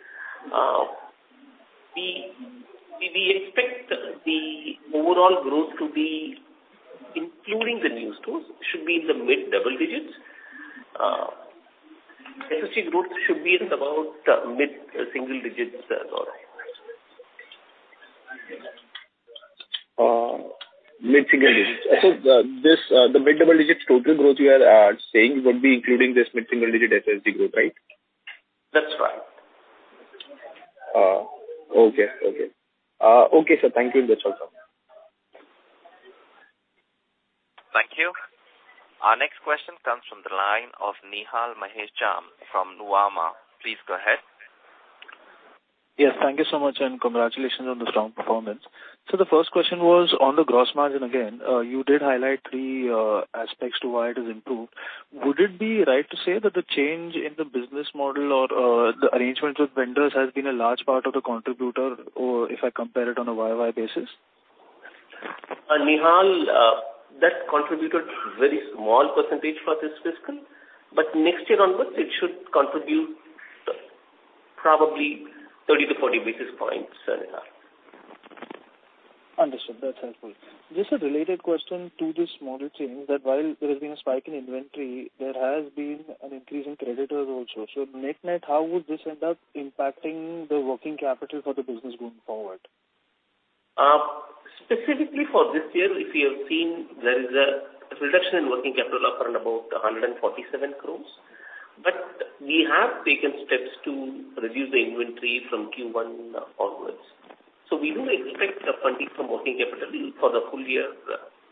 We expect the overall growth to be including the new stores should be in the mid-double digits. SSG growth should be at about mid-single digits, Gaurav. Mid-single digits. The mid double digits total growth you are saying would be including this mid-single digit SSG growth, right? That's right. Okay. Okay. Okay, sir. Thank you. That's all, sir. Thank you. Our next question comes from the line of Nihal Mahesh Jham from Nuvama. Please go ahead. Yes, thank you so much, and congratulations on the strong performance. The first question was on the gross margin again. You did highlight three aspects to why it has improved. Would it be right to say that the change in the business model or the arrangements with vendors has been a large part of the contributor or if I compare it on a year-over-year basis? Nihal, that contributed very small percentage for this fiscal. Next year onwards, it should contribute probably 30-40 basis points, Nihal. Understood. That's helpful. Just a related question to this model change that while there has been a spike in inventory, there has been an increase in creditors also. net-net, how would this end up impacting the working capital for the business going forward? Specifically for this year, if you have seen, there is a reduction in working capital of around about 147 crores. We have taken steps to reduce the inventory from Q1 onwards. We do expect a funding from working capital for the full year.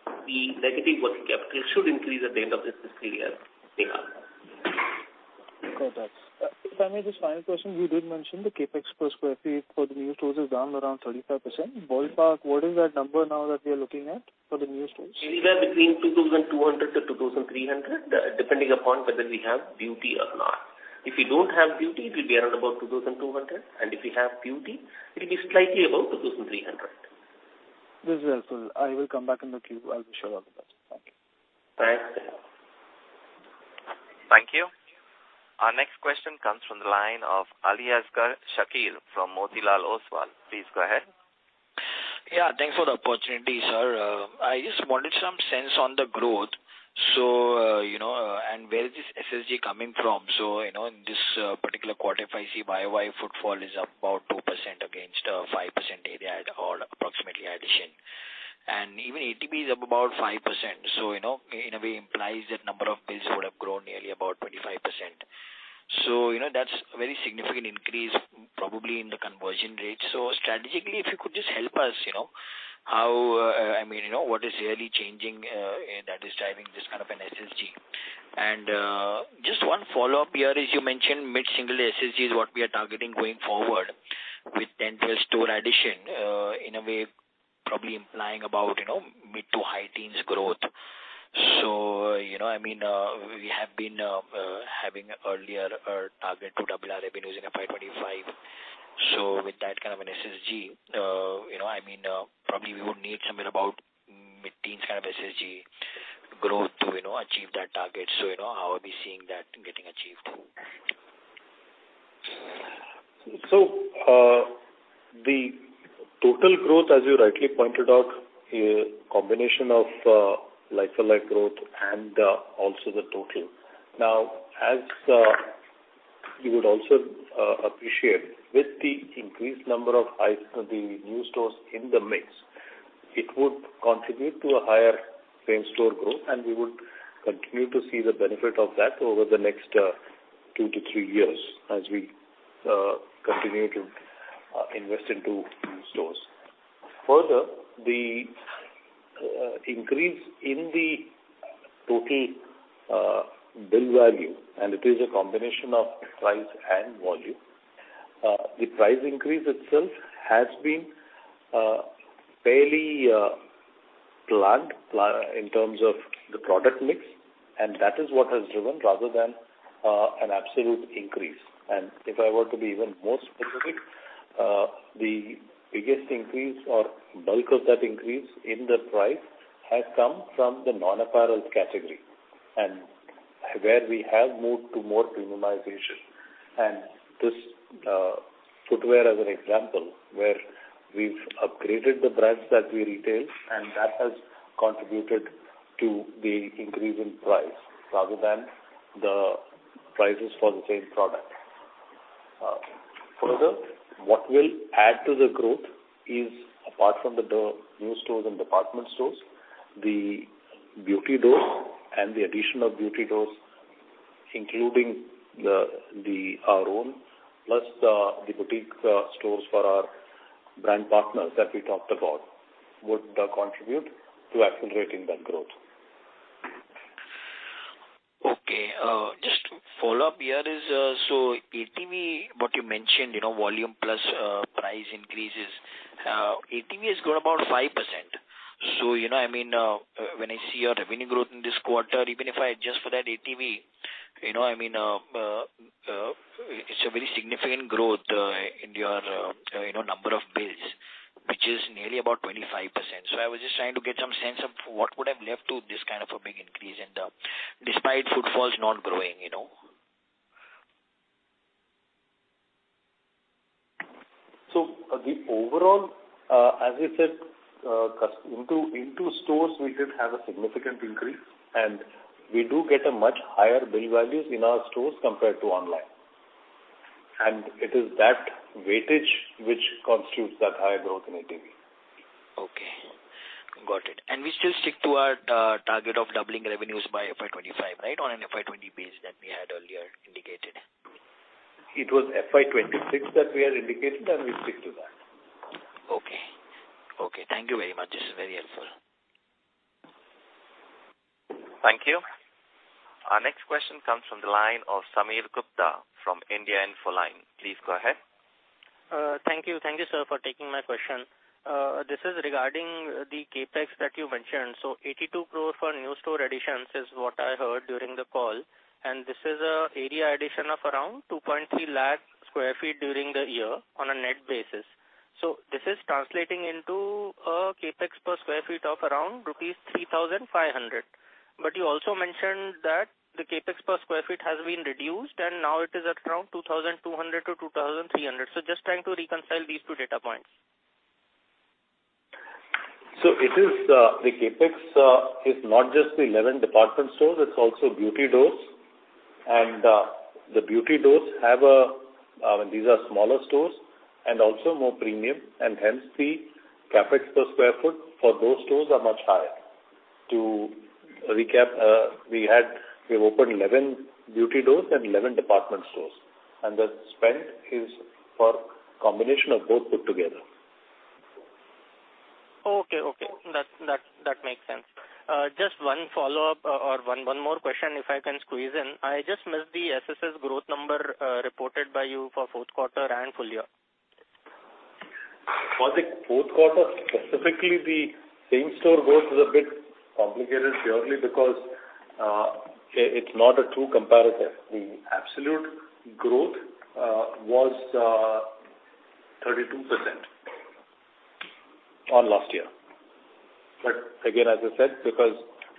The negative working capital should increase at the end of this fiscal year, Nihal. Got that. If I may, just final question, you did mention the CapEx per sq ft for the new stores has gone around 35%. Ballpark, what is that number now that we are looking at for the new stores? Anywhere between 2,200 to 2,300, depending upon whether we have beauty or not. If we don't have beauty, it'll be around about 2,200, and if we have beauty, it'll be slightly above 2,300. This is helpful. I will come back in the queue. I'll be sure of that. Thank you. Thanks. Thank you. Our next question comes from the line of Aliasgar Shakir from Motilal Oswal. Please go ahead. Yeah, thanks for the opportunity, sir. I just wanted some sense on the growth. You know, where is this SSG coming from? You know, in this particular quarter, if I see YoY footfall is up about 2% against 5% area at all approximately addition. Even ATB is up about 5%. You know, in a way implies that number of bills would have grown nearly about 25%. You know, that's a very significant increase probably in the conversion rate. Strategically, if you could just help us, you know, how I mean, you know, what is really changing that is driving this kind of an SSG. Just one follow-up here, as you mentioned, mid-single SSG is what we are targeting going forward with 10+ store addition, in a way probably implying about, you know, mid to high teens growth. You know, I mean, we have been having earlier target to double our revenues in FY25. With that kind of an SSG, you know, I mean, probably we would need somewhere about mid-teens kind of SSG growth to, you know, achieve that target. You know, how are we seeing that getting achieved? The total growth, as you rightly pointed out, a combination of like-for-like growth and also the total. As you would also appreciate with the increased number of the new stores in the mix, it would contribute to a higher same-store growth, and we would continue to see the benefit of that over the next two to three years as we continue to invest into new stores. The increase in the total bill value, and it is a combination of price and volume. The price increase itself has been fairly planned in terms of the product mix, and that is what has driven rather than an absolute increase. If I were to be even more specific, the biggest increase or bulk of that increase in the price has come from the non-apparel category, and where we have moved to more premiumization. This, footwear as an example, where we've upgraded the brands that we retail, and that has contributed to the increase in price rather than the prices for the same product. Further, what will add to the growth is, apart from the door, new stores and department stores, the beauty doors and the addition of beauty doors, including the our own, plus the boutique stores for our brand partners that we talked about would contribute to accelerating that growth. Okay. Just to follow up here is, ATB, what you mentioned, you know, volume plus price increases. ATB has grown about 5%. You know, I mean, when I see your revenue growth in this quarter, even if I adjust for that ATB, you know, I mean, it's a very significant growth in your, you know, number of bills, which is nearly about 25%. I was just trying to get some sense of what would have led to this kind of a big increase and, despite footfalls not growing, you know? The overall, as I said, into stores, we did have a significant increase, we do get a much higher bill values in our stores compared to online. It is that weightage which constitutes that high growth in ATB. Okay. Got it. We still stick to our target of doubling FY 2025, right, on FY 2020 base that we had earlier indicated? It was FY 2026 that we had indicated, and we stick to that. Okay. Okay. Thank you very much. This is very helpful. Thank you. Our next question comes from the line of Sameer Gupta from India Infoline. Please go ahead. Thank you. Thank you, sir, for taking my question. This is regarding the CapEx that you mentioned. 82 crore for new store additions is what I heard during the call, and this is area addition of around 2.3 lakh sq ft during the year on a net basis. This is translating into a CapEx per sq ft of around rupees 3,500. You also mentioned that the CapEx per sq ft has been reduced, and now it is at around 2,200-2,300. Just trying to reconcile these two data points. It is the CapEx is not just the 11 department stores, it's also beauty doors. The beauty doors have these are smaller stores and also more premium, and hence the CapEx per square foot for those stores are much higher. To recap, we've opened 11 beauty doors and 11 department stores, the spend is for combination of both put together. Okay. Okay. That makes sense. Just one follow-up or one more question if I can squeeze in. I just missed the SSS growth number reported by you for fourth quarter and full year. For the fourth quarter, specifically Same-store growth is a bit complicated purely because it's not a true comparative. The absolute growth was 32% on last year. Again, as I said, because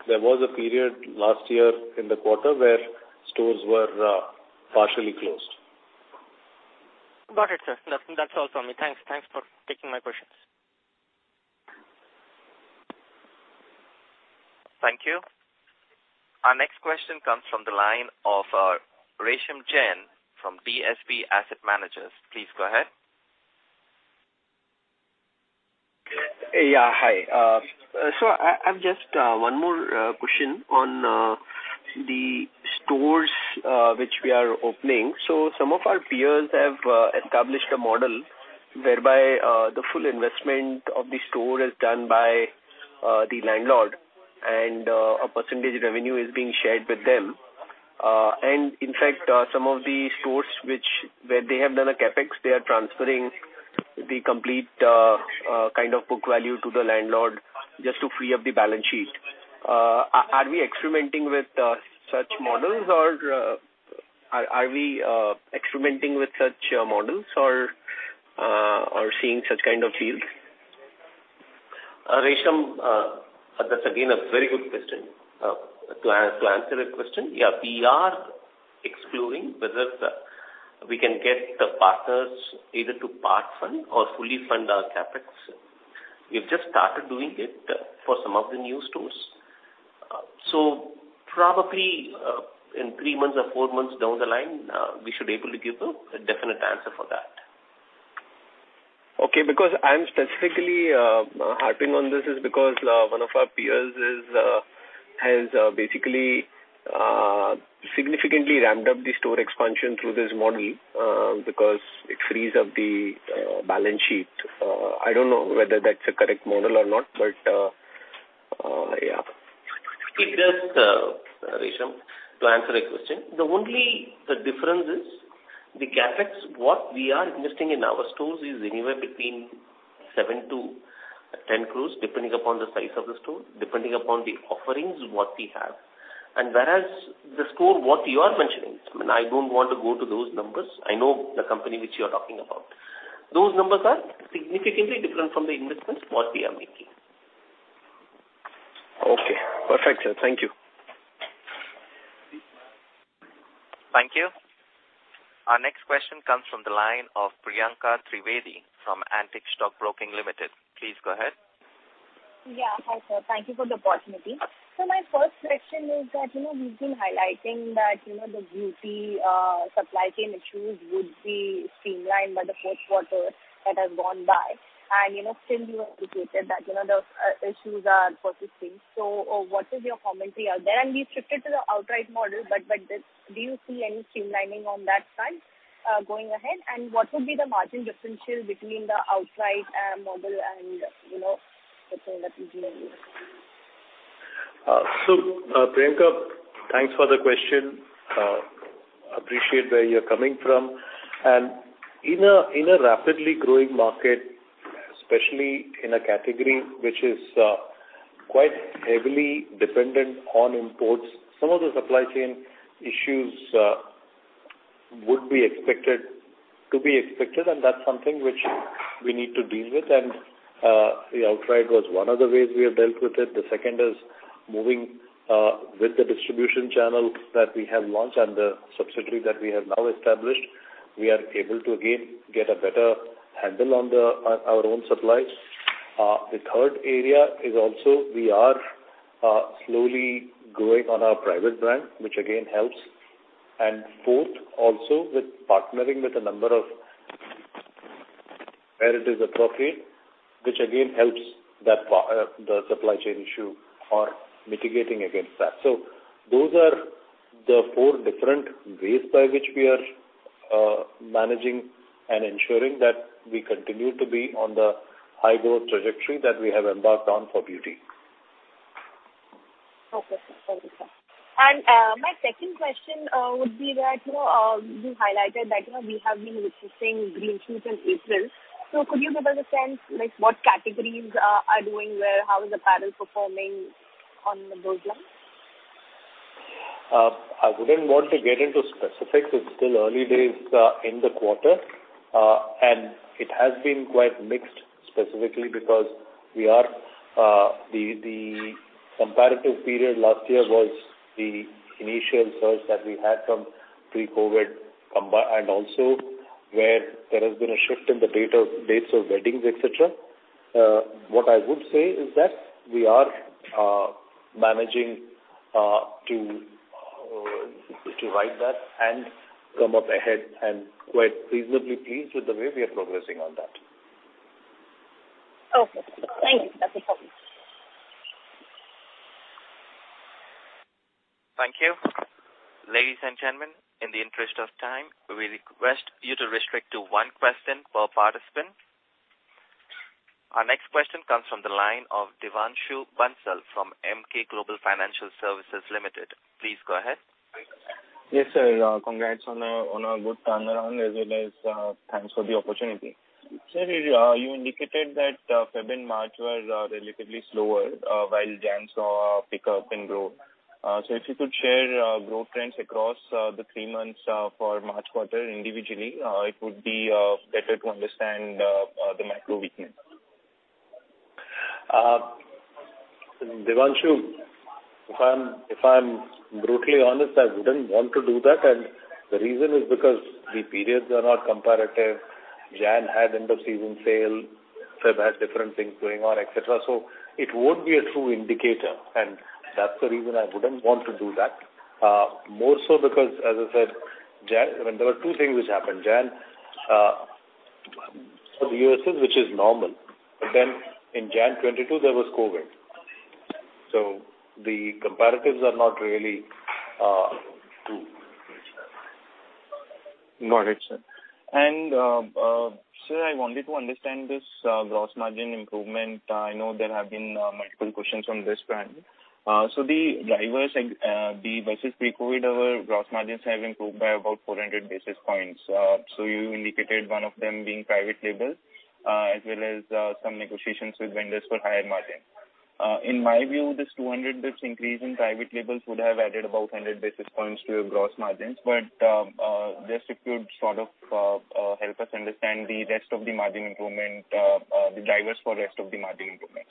there was a period last year in the quarter where stores were partially closed. Got it, sir. That's all from me. Thanks. Thanks for taking my questions. Thank you. Our next question comes from the line of Resham Jain from DSP Asset Managers. Please go ahead. Yeah, hi. I've just one more question on the stores which we are opening. Some of our peers have established a model whereby the full investment of the store is done by the landlord and a percentage revenue is being shared with them. In fact, some of the stores which where they have done a CapEx, they are transferring the complete kind of book value to the landlord just to free up the balance sheet. Are we experimenting with such models or are we experimenting with such models or seeing such kind of deals? Resham, that's again a very good question. To answer that question, yeah, we are exploring whether we can get the partners either to part fund or fully fund our CapEx. We've just started doing it for some of the new stores. Probably, in 3 months or 4 months down the line, we should able to give a definite answer for that. Okay. I'm specifically harping on this is because one of our peers has basically significantly ramped up the store expansion through this model because it frees up the balance sheet. I don't know whether that's a correct model or not, but yeah. It does, Resham. To answer that question, the only difference is the CapEx, what we are investing in our stores is anywhere between 7 crore to 10 crores, depending upon the size of the store, depending upon the offerings, what we have. Whereas the store, what you are mentioning, I mean, I don't want to go to those numbers. I know the company which you are talking about. Those numbers are significantly different from the investments what we are making. Okay. Perfect, sir. Thank you. Thank you. Our next question comes from the line of Priyanka Trivedi from Antique Stock Broking Limited. Please go ahead. My first question is that, you know, we've been highlighting that, you know, the beauty supply chain issues would be streamlined by the first quarter that has gone by. You know, still you have indicated that, you know, the issues are persisting. What is your commentary out there? We shifted to the outright model, but do you see any streamlining on that front going ahead? What would be the margin differential between the outright model and, you know, let's say, the PG model? Priyanka, thanks for the question. Appreciate where you're coming from. In a rapidly growing market, especially in a category which is quite heavily dependent on imports, some of the supply chain issues would be expected, and that's something which we need to deal with. The outright was one of the ways we have dealt with it. The second is moving with the distribution channel that we have launched and the subsidiary that we have now established, we are able to, again, get a better handle on our own supplies. The third area is also we are slowly growing on our private brand, which again helps. Fourth, also with partnering with a number of- where it is appropriate, which again helps that the supply chain issue or mitigating against that. Those are the four different ways by which we are managing and ensuring that we continue to be on the high growth trajectory that we have embarked on for beauty. Okay, sir. Thank you, sir. My second question would be that, you know, you highlighted that, you know, we have been witnessing green shoots in April. Could you give us a sense, like what categories are doing well? How is apparel performing on those lines? I wouldn't want to get into specifics. It's still early days in the quarter. It has been quite mixed specifically because we are, the comparative period last year was the initial surge that we had from pre-COVID combi- and also where there has been a shift in the date of, dates of weddings, et cetera. What I would say is that we are managing to ride that and come up ahead, and quite reasonably pleased with the way we are progressing on that. Okay. Thank you. That's it for me. Thank you. Ladies and gentlemen, in the interest of time, we request you to restrict to one question per participant. Our next question comes from the line of Devanshu Bansal from Emkay Global Financial Services Limited. Please go ahead. Yes, sir. congrats on a good turnaround as well as thanks for the opportunity. Sir, you indicated that Feb and March were relatively slower while Jan saw a pickup in growth. If you could share growth trends across the three months for March quarter individually, it would be better to understand the macro weakness. Devanshu, if I'm brutally honest, I wouldn't want to do that. The reason is because the periods are not comparative. Jan had end of season sale, Feb had different things going on, et cetera. It won't be a true indicator, and that's the reason I wouldn't want to do that. More so because, as I said, Jan, I mean, there were two things which happened. Jan, for the USA, which is normal, in Jan 2022 there was COVID. The comparatives are not really true. Got it, sir. Sir, I wanted to understand this gross margin improvement. I know there have been multiple questions on this front. The drivers versus pre-COVID, our gross margins have improved by about 400 basis points. You indicated one of them being private label, as well as some negotiations with vendors for higher margin. In my view, this 200 base increase in private labels would have added about 100 basis points to your gross margins. Just if you could sort of help us understand the rest of the margin improvement, the drivers for rest of the margin improvement.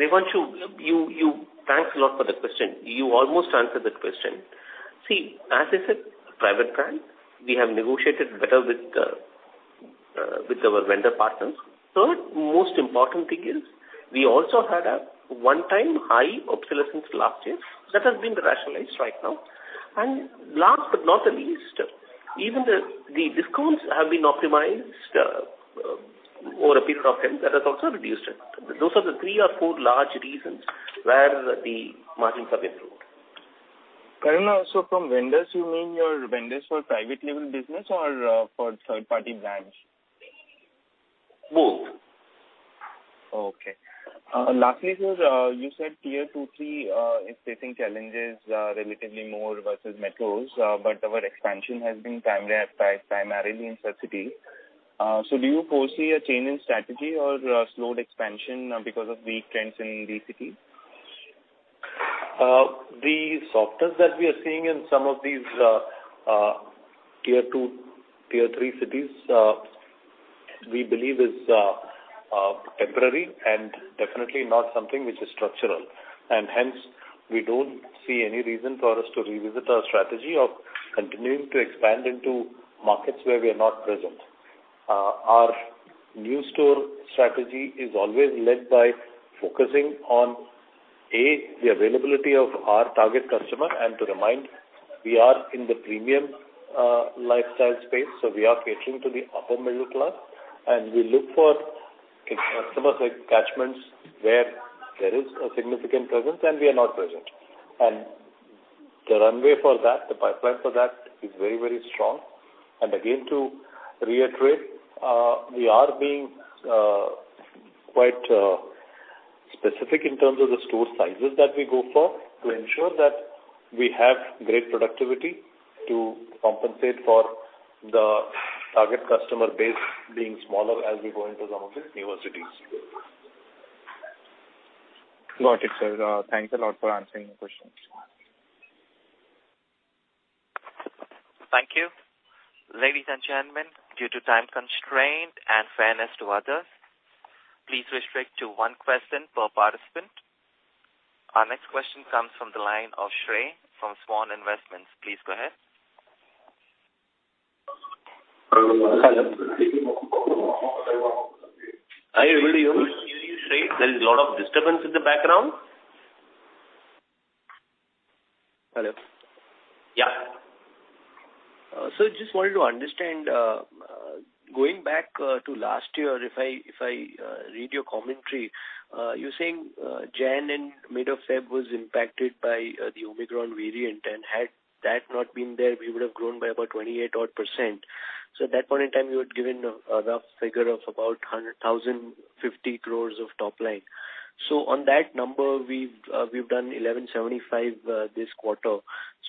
Devanshu, you. Thanks a lot for the question. You almost answered the question. See, as I said, private brand, we have negotiated better with our vendor partners. Third most important thing is we also had a one-time high obsolescence last year that has been rationalized right now. Last but not the least, even the discounts have been optimized over a period of time that has also reduced it. Those are the three or four large reasons where the margins have improved. Karuna, from vendors you mean your vendors for private label business or for third party brands? Both. Okay. Lastly, sir, you said tier two, three is facing challenges, relatively more versus metros. Our expansion has been primarily in such cities. Do you foresee a change in strategy or slowed expansion, because of weak trends in these cities? The softness that we are seeing in some of these tier two, tier three cities, we believe is temporary and definitely not something which is structural. Hence we don't see any reason for us to revisit our strategy of continuing to expand into markets where we are not present. Our new store strategy is always led by focusing on, A, the availability of our target customer. To remind we are in the premium lifestyle space, so we are catering to the upper middle class, and we look for customer seg-catchments where there is a significant presence and we are not present. The runway for that, the pipeline for that is very, very strong. Again, to reiterate, we are being quite specific in terms of the store sizes that we go for to ensure that we have great productivity to compensate for the target customer base being smaller as we go into some of these newer cities. Got it, sir. Thanks a lot for answering the questions. Thank you. Ladies and gentlemen, due to time constraint and fairness to others, please restrict to one question per participant. Our next question comes from the line of Shrey from Swan Investments. Please go ahead. Hello. Are you able to hear me? We could hear you, Shrey. There is a lot of disturbance in the background. Hello. Yeah. Sir, just wanted to understand, going back to last year, if I, if I read your commentary, you're saying Jan and mid of Feb was impacted by the Omicron variant, and had that not been there, we would have grown by about 28% odd. At that point in time, you had given a rough figure of about 1,050 crores of top line. On that number, we've done 1,175 this quarter,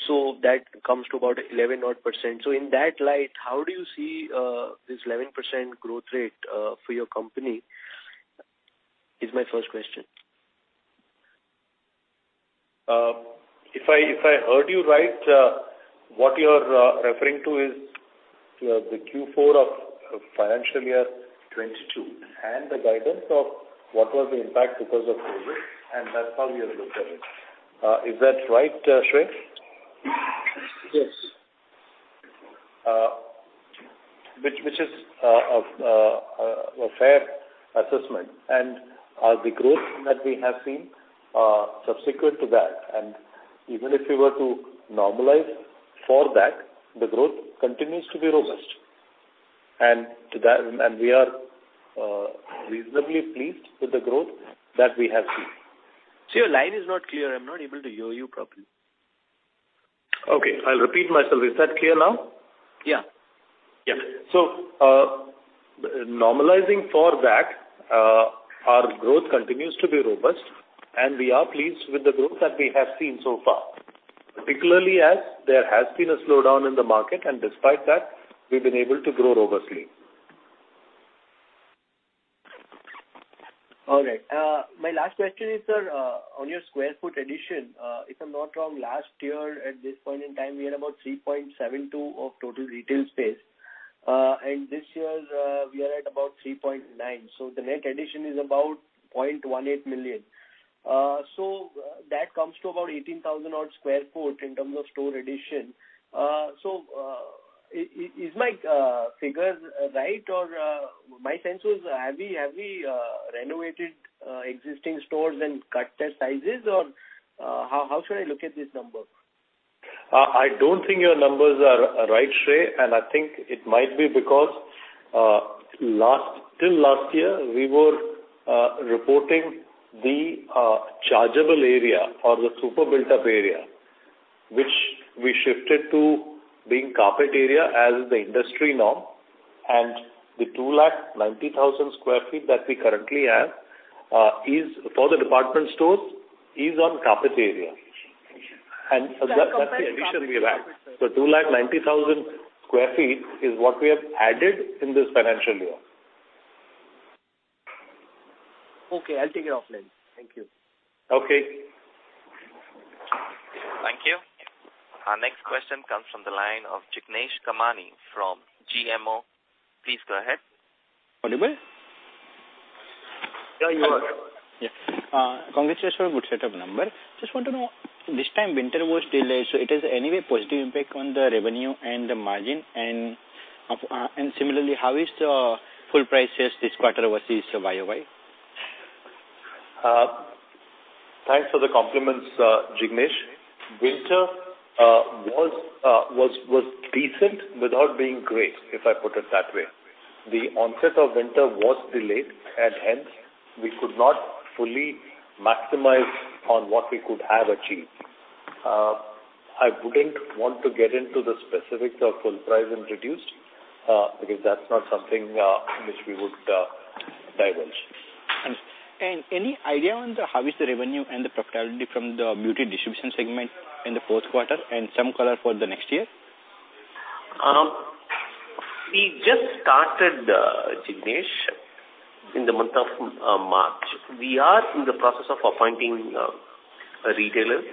so that comes to about 11% odd. In that light, how do you see this 11% growth rate for your company, is my first question. If I heard you right, what you're referring to is the Q4 of financial year 2022 and the guidance of what was the impact because of COVID, and that's how we have looked at it. Is that right, Shrey? Yes. Which is a fair assessment. The growth that we have seen subsequent to that, and even if we were to normalize for that, the growth continues to be robust. We are reasonably pleased with the growth that we have seen. Sir, your line is not clear. I'm not able to hear you properly. Okay, I'll repeat myself. Is that clear now? Yeah. Yeah. Normalizing for that, our growth continues to be robust, and we are pleased with the growth that we have seen so far, particularly as there has been a slowdown in the market, and despite that, we've been able to grow robustly. All right. My last question is, sir, on your sq ft addition, if I'm not wrong, last year at this point in time we had about 3.72 million sq ft of total retail space. This year, we are at about 3.9 million sq ft. The net addition is about 0.18 million sq ft. That comes to about 18,000 odd sq ft in terms of store addition. Is my figures right or my sense was have we renovated existing stores and cut their sizes or how should I look at this number? I don't think your numbers are right, Shrey. I think it might be because till last year we were reporting the chargeable area or the super built-up area, which we shifted to being carpet area as the industry norm. The 2,90,000 square feet that we currently have is for the department stores is on carpet area. That's the addition we have. 2,90,000 square feet is what we have added in this financial year. Okay. I'll take it offline. Thank you. Okay. Thank you. Our next question comes from the line of Jignesh Kamani from GMO. Please go ahead. Hello. Yeah, you are. Yeah. Congratulations for a good set of number. Just want to know this time winter was delayed, so it is anyway positive impact on the revenue and the margin and similarly how is the full prices this quarter versus the YoY? Thanks for the compliments, Jignesh. Winter was decent without being great, if I put it that way. The onset of winter was delayed and hence we could not fully maximize on what we could have achieved. I wouldn't want to get into the specifics of full price and reduced, because that's not something which we would divulge. And any idea on the how is the revenue and the profitability from the beauty distribution segment in the fourth quarter and some color for the next year? We just started Jignesh in the month of March. We are in the process of appointing retailers.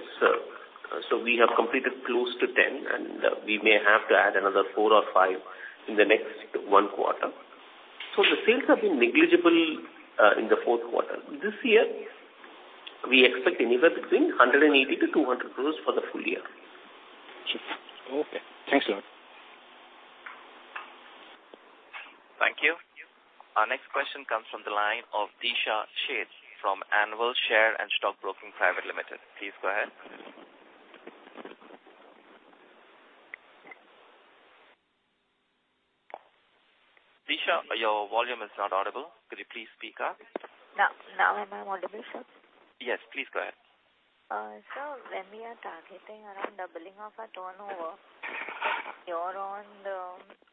We have completed close to 10, and we may have to add another four or five in the next one quarter. The sales have been negligible in the fourth quarter. This year we expect anywhere between 180 crore-200 crore for the full year. Okay. Thanks a lot. Thank you. Our next question comes from the line of Disha Sheth from Anvil Share and Stock Broking Private Limited. Please go ahead. Disha, your volume is not audible. Could you please speak up? Now am I audible, sir? Yes, please go ahead. Sir, when we are targeting around doubling of our turnover year on.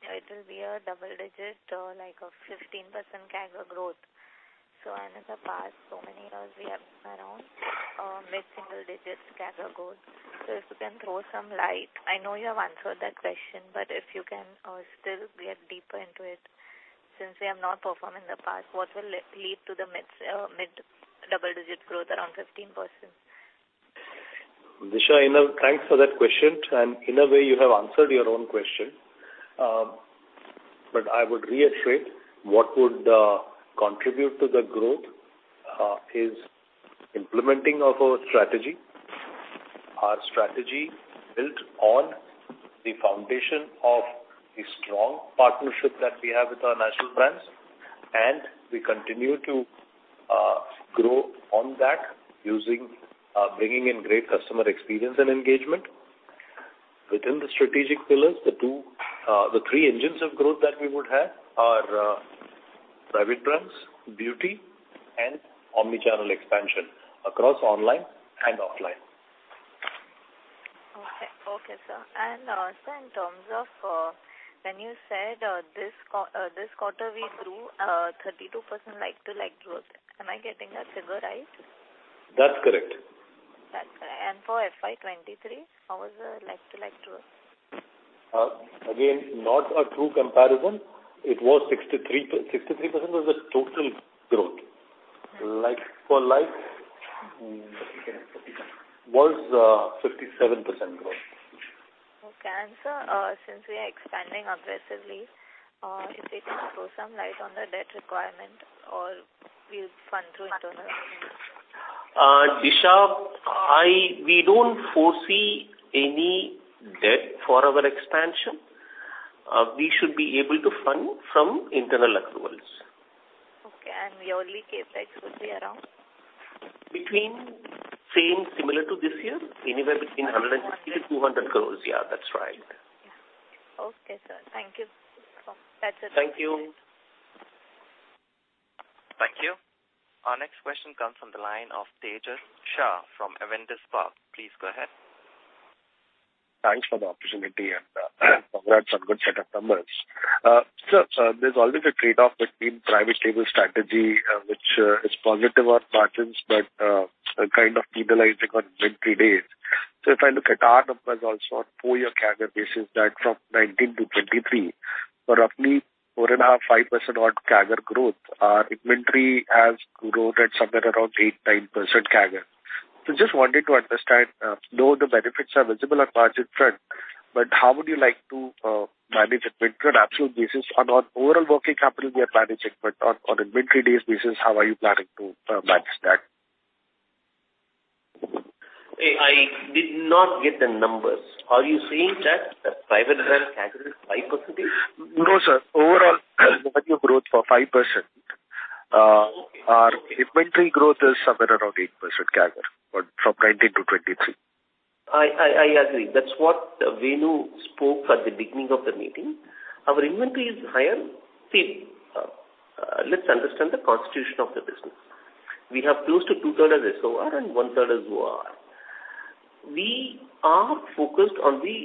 It will be a double digit, like a 15% CAGR growth. In the past so many years we have around mid-single digits CAGR growth. If you can throw some light. I know you have answered that question, but if you can still get deeper into it, since we have not performed in the past, what will lead to the mid double-digit growth around 15%? Disha, thanks for that question. In a way you have answered your own question. I would reiterate what would contribute to the growth is implementing of our strategy. Our strategy built on the foundation of the strong partnership that we have with our national brands. We continue to grow on that using bringing in great customer experience and engagement. Within the strategic pillars, the three engines of growth that we would have are private brands, beauty and omni-channel expansion across online and offline. Okay. Okay, sir. Sir, in terms of, when you said, this quarter we grew, 32% like-to-like growth. Am I getting that figure right? That's correct. That's correct. FY 2023, how was the like-to-like growth? Again, not a true comparison. It was 63% was the total growth. Like-for-like was, 57% growth. Okay. sir, since we are expanding aggressively, if we can throw some light on the debt requirement or we'll fund through internal. Disha, we don't foresee any debt for our expansion. We should be able to fund from internal accruals. Okay. Your yearly CapEx will be around? Between same, similar to this year, anywhere between 160 crore-200 crore. Yeah, that's right. Yeah. Okay, sir. Thank you. That's it. Thank you. Thank you. Our next question comes from the line of Tejas Shah from Avendus Spark. Please go ahead. Thanks for the opportunity and congrats on good set of numbers. There's always a trade-off between private label strategy, which is positive on margins but kind of penalizing on inventory days. If I look at our numbers also on four-year CAGR basis that from 19 to 23, for roughly 4.5%-5% on CAGR growth, our inventory has grown at somewhere around 8%-9% CAGR. Just wanted to understand, though the benefits are visible on margin front, but how would you like to manage inventory on absolute basis and on overall working capital we are planning check, but on inventory days basis, how are you planning to manage that? I did not get the numbers. Are you saying that the private brand CAGR is 5%? No, sir. Overall value growth for 5%. Okay. Our inventory growth is somewhere around 8% CAGR, but from 2019 to 2023. I agree. That's what Venu spoke at the beginning of the meeting. Our inventory is higher. See, let's understand the constitution of the business. We have close to 2/3 SOR and 1/3 is OR. We are focused on the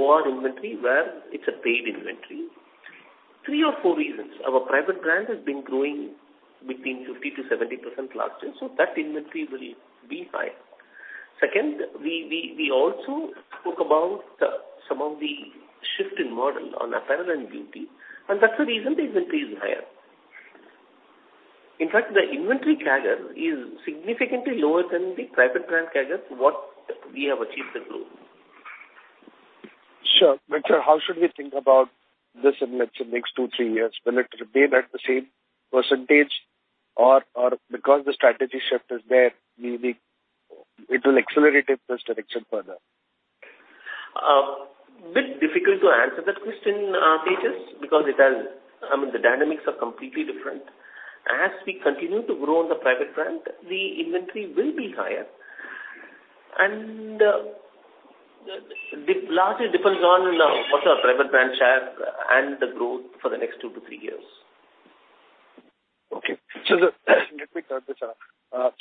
OR inventory where it's a paid inventory. Three or four reasons. Our private brand has been growing between 50% to 70% last year, so that inventory will be high. Second, we also spoke about the some of the shift in model on apparel and beauty, and that's the reason the inventory is higher. In fact, the inventory CAGR is significantly lower than the private brand CAGR what we have achieved in growth. Sure. How should we think about this in let's say next two, three years? Will it remain at the same % or because the strategy shift is there, It will accelerate in this direction further? Bit difficult to answer that question, Tejas, because I mean, the dynamics are completely different. As we continue to grow on the private brand, the inventory will be higher. Largely depends on what our private brand share and the growth for the next two to three years. Okay. Let me turn this around.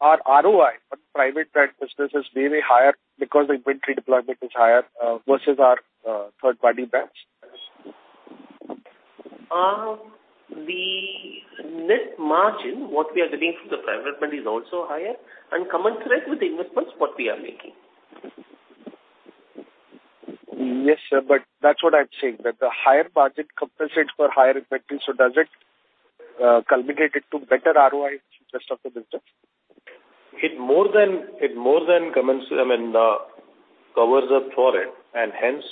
Our ROI on private brand business is way higher because the inventory deployment is higher versus our third party brands. The net margin, what we are getting from the private brand is also higher and commensurate with the investments what we are making. Yes, sir, but that's what I'm saying, that the higher margin compensates for higher inventory, so does it culminate it to better ROI in terms of the business? It more than, I mean, covers up for it, and hence,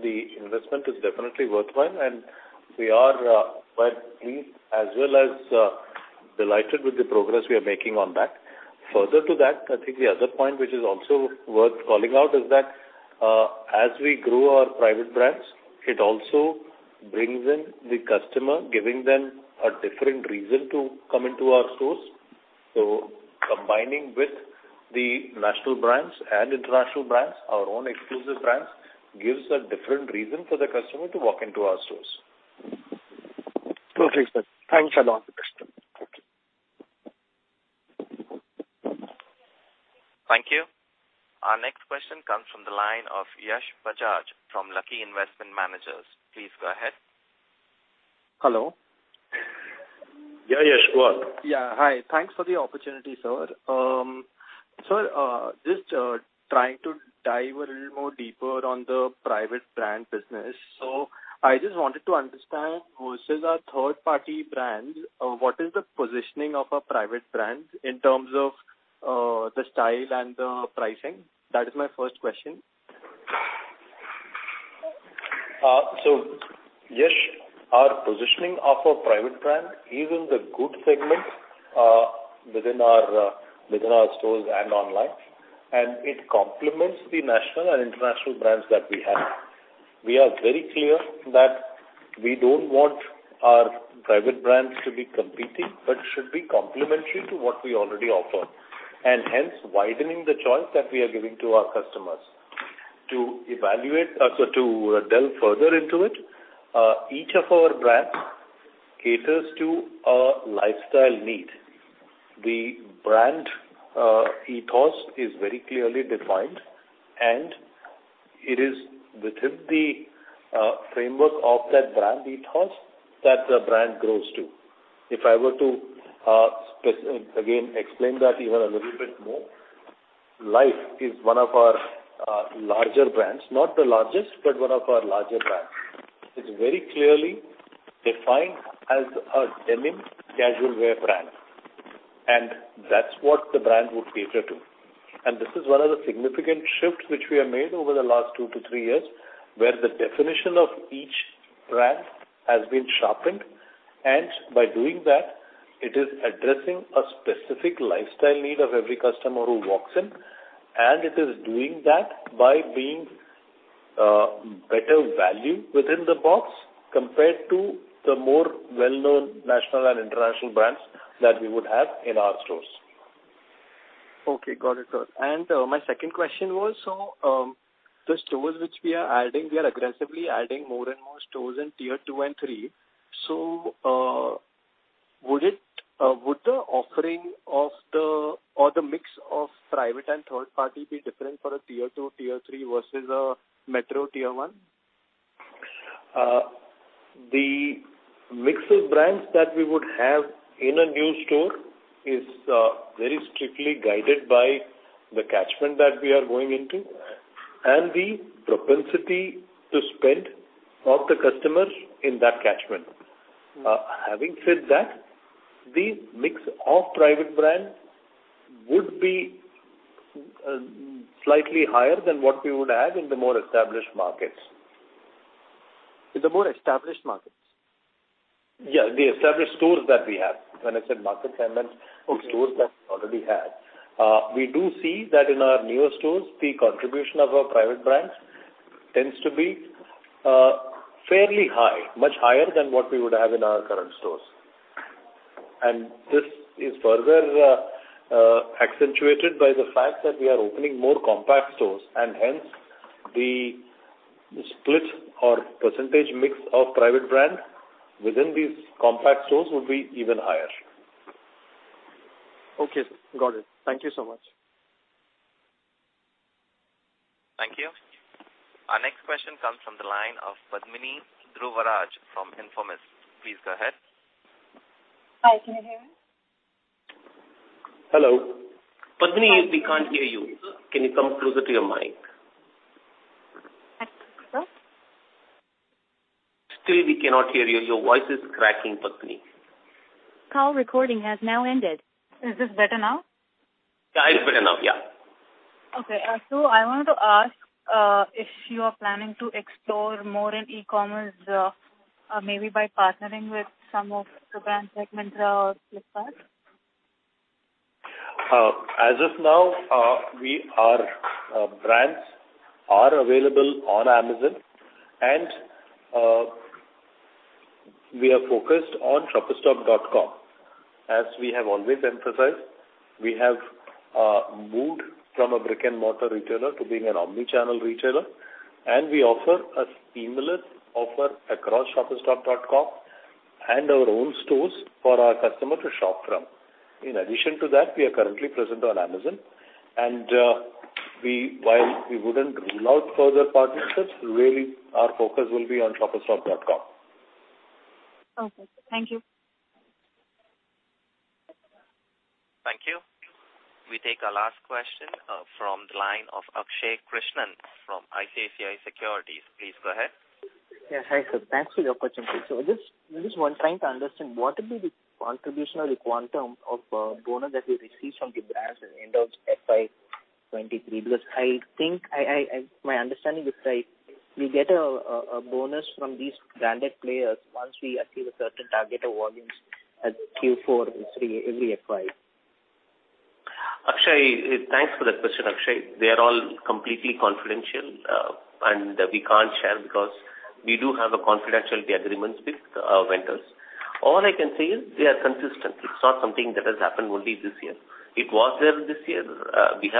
the investment is definitely worthwhile, and we are quite pleased as well as delighted with the progress we are making on that. Further to that, I think the other point which is also worth calling out is that as we grow our private brands, it also brings in the customer, giving them a different reason to come into our stores. Combining with the national brands and international brands, our own exclusive brands, gives a different reason for the customer to walk into our stores. Totally, sir. Thanks a lot. Thank you. Our next question comes from the line of Yash Bajaj from Lucky Investment Managers. Please go ahead. Hello. Yeah, Yash. Go on. Yeah. Hi. Thanks for the opportunity, sir. Just trying to dive a little more deeper on the private brand business. I just wanted to understand versus our third party brands, what is the positioning of our private brands in terms of the style and the pricing? That is my first question. Yash, our positioning of our private brand is in the good segment within our stores and online. It complements the national and international brands that we have. We are very clear that we don't want our private brands to be competing, but should be complementary to what we already offer. Hence widening the choice that we are giving to our customers. To evaluate or so to delve further into it, each of our brands caters to a lifestyle need. The brand ethos is very clearly defined. It is within the framework of that brand ethos that the brand grows to. If I were to again explain that even a little bit more, Life is one of our larger brands, not the largest, but one of our larger brands. It's very clearly defined as a denim casual wear brand, and that's what the brand would cater to. This is one of the significant shifts which we have made over the last two to three years, where the definition of each brand has been sharpened, and by doing that, it is addressing a specific lifestyle need of every customer who walks in, and it is doing that by being better value within the box compared to the more well-known national and international brands that we would have in our stores. Okay. Got it, sir. My second question was, the stores which we are adding, we are aggressively adding more and more stores in Tier two and three. Would the offering of the or the mix of private and third party be different for a Tier two, Tier three versus a metro Tier one? The mix of brands that we would have in a new store is very strictly guided by the catchment that we are going into and the propensity to spend of the customers in that catchment. Having said that, the mix of private brand would be slightly higher than what we would have in the more established markets. In the more established markets? Yeah, the established stores that we have. When I said markets, I meant. Okay. stores that we already have. We do see that in our newer stores, the contribution of our private brands tends to be fairly high, much higher than what we would have in our current stores. This is further accentuated by the fact that we are opening more compact stores and hence the split or percentage mix of private brand within these compact stores would be even higher. Okay, sir. Got it. Thank you so much. Thank you. Our next question comes from the line of Padmini Dhruvaraj from Informist. Please go ahead. Hi. Can you hear me? Hello. Padmini, we can't hear you. Can you come closer to your mic? Still we cannot hear you. Your voice is cracking, Padmini. Call recording has now ended. Is this better now? Yeah, it's better now. Yeah. Okay. I wanted to ask if you are planning to explore more in e-commerce, maybe by partnering with some of the brands like Myntra or Flipkart? As of now, we are, brands are available on Amazon and we are focused on ShoppersStop.com. As we have always emphasized, we have moved from a brick and mortar retailer to being an omnichannel retailer, and we offer a seamless offer across ShoppersStop.com and our own stores for our customer to shop from. In addition to that, we are currently present on Amazon and, While we wouldn't rule out further partnerships, really our focus will be on ShoppersStop.com. Okay. Thank you. Thank you. We take our last question from the line of Akshay Krishnan from ICICI Securities. Please go ahead. Yes. Hi, sir. Thanks for your opportunity. Just one trying to understand, what will be the contribution or the quantum of bonus that we received from the brands at FY 2023? I think I, my understanding is like we get a bonus from these branded players once we achieve a certain target or volumes at Q4 every FY. Akshay, thanks for that question, Akshay. They are all completely confidential, and we can't share because we do have a confidentiality agreements with our vendors. All I can say is they are consistent. It's not something that has happened only this year. It was there this year. We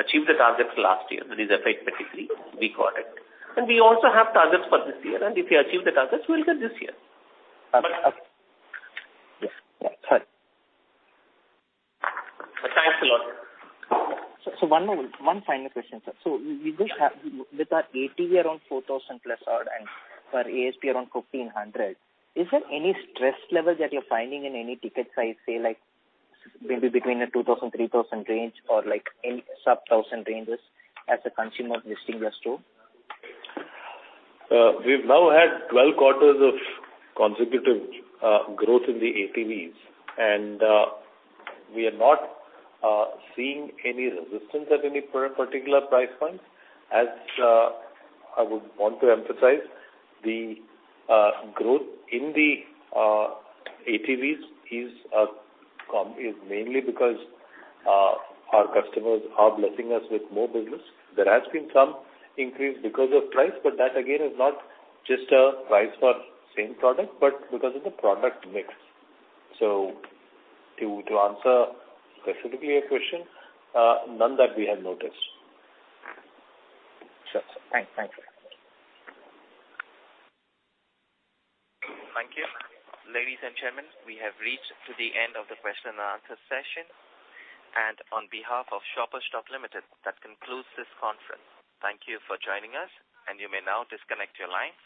achieved the targets last year, that is effect particularly, we got it. We also have targets for this year. If we achieve the targets, we'll get this year. Okay. Yes. Thanks a lot. One final question, sir. We just have with our ATV around 4,000 plus odd and for ASP around 1,500, is there any stress level that you're finding in any ticket size, say like maybe between a 2,000-3,000 range or like in sub-INR 1,000 ranges as a consumer visiting the store? We've now had 12 quarters of consecutive growth in the ATVs, and we are not seeing any resistance at any particular price points. As I would want to emphasize the growth in the ATVs is mainly because our customers are blessing us with more business. There has been some increase because of price, but that again is not just a price for same product, but because of the product mix. To answer specifically your question, none that we have noticed. Sure, sir. Thanks, sir. Thank you. Ladies and gentlemen, we have reached to the end of the Q&A session. On behalf of Shoppers Stop Limited, that concludes this conference. Thank you for joining us, and you may now disconnect your lines.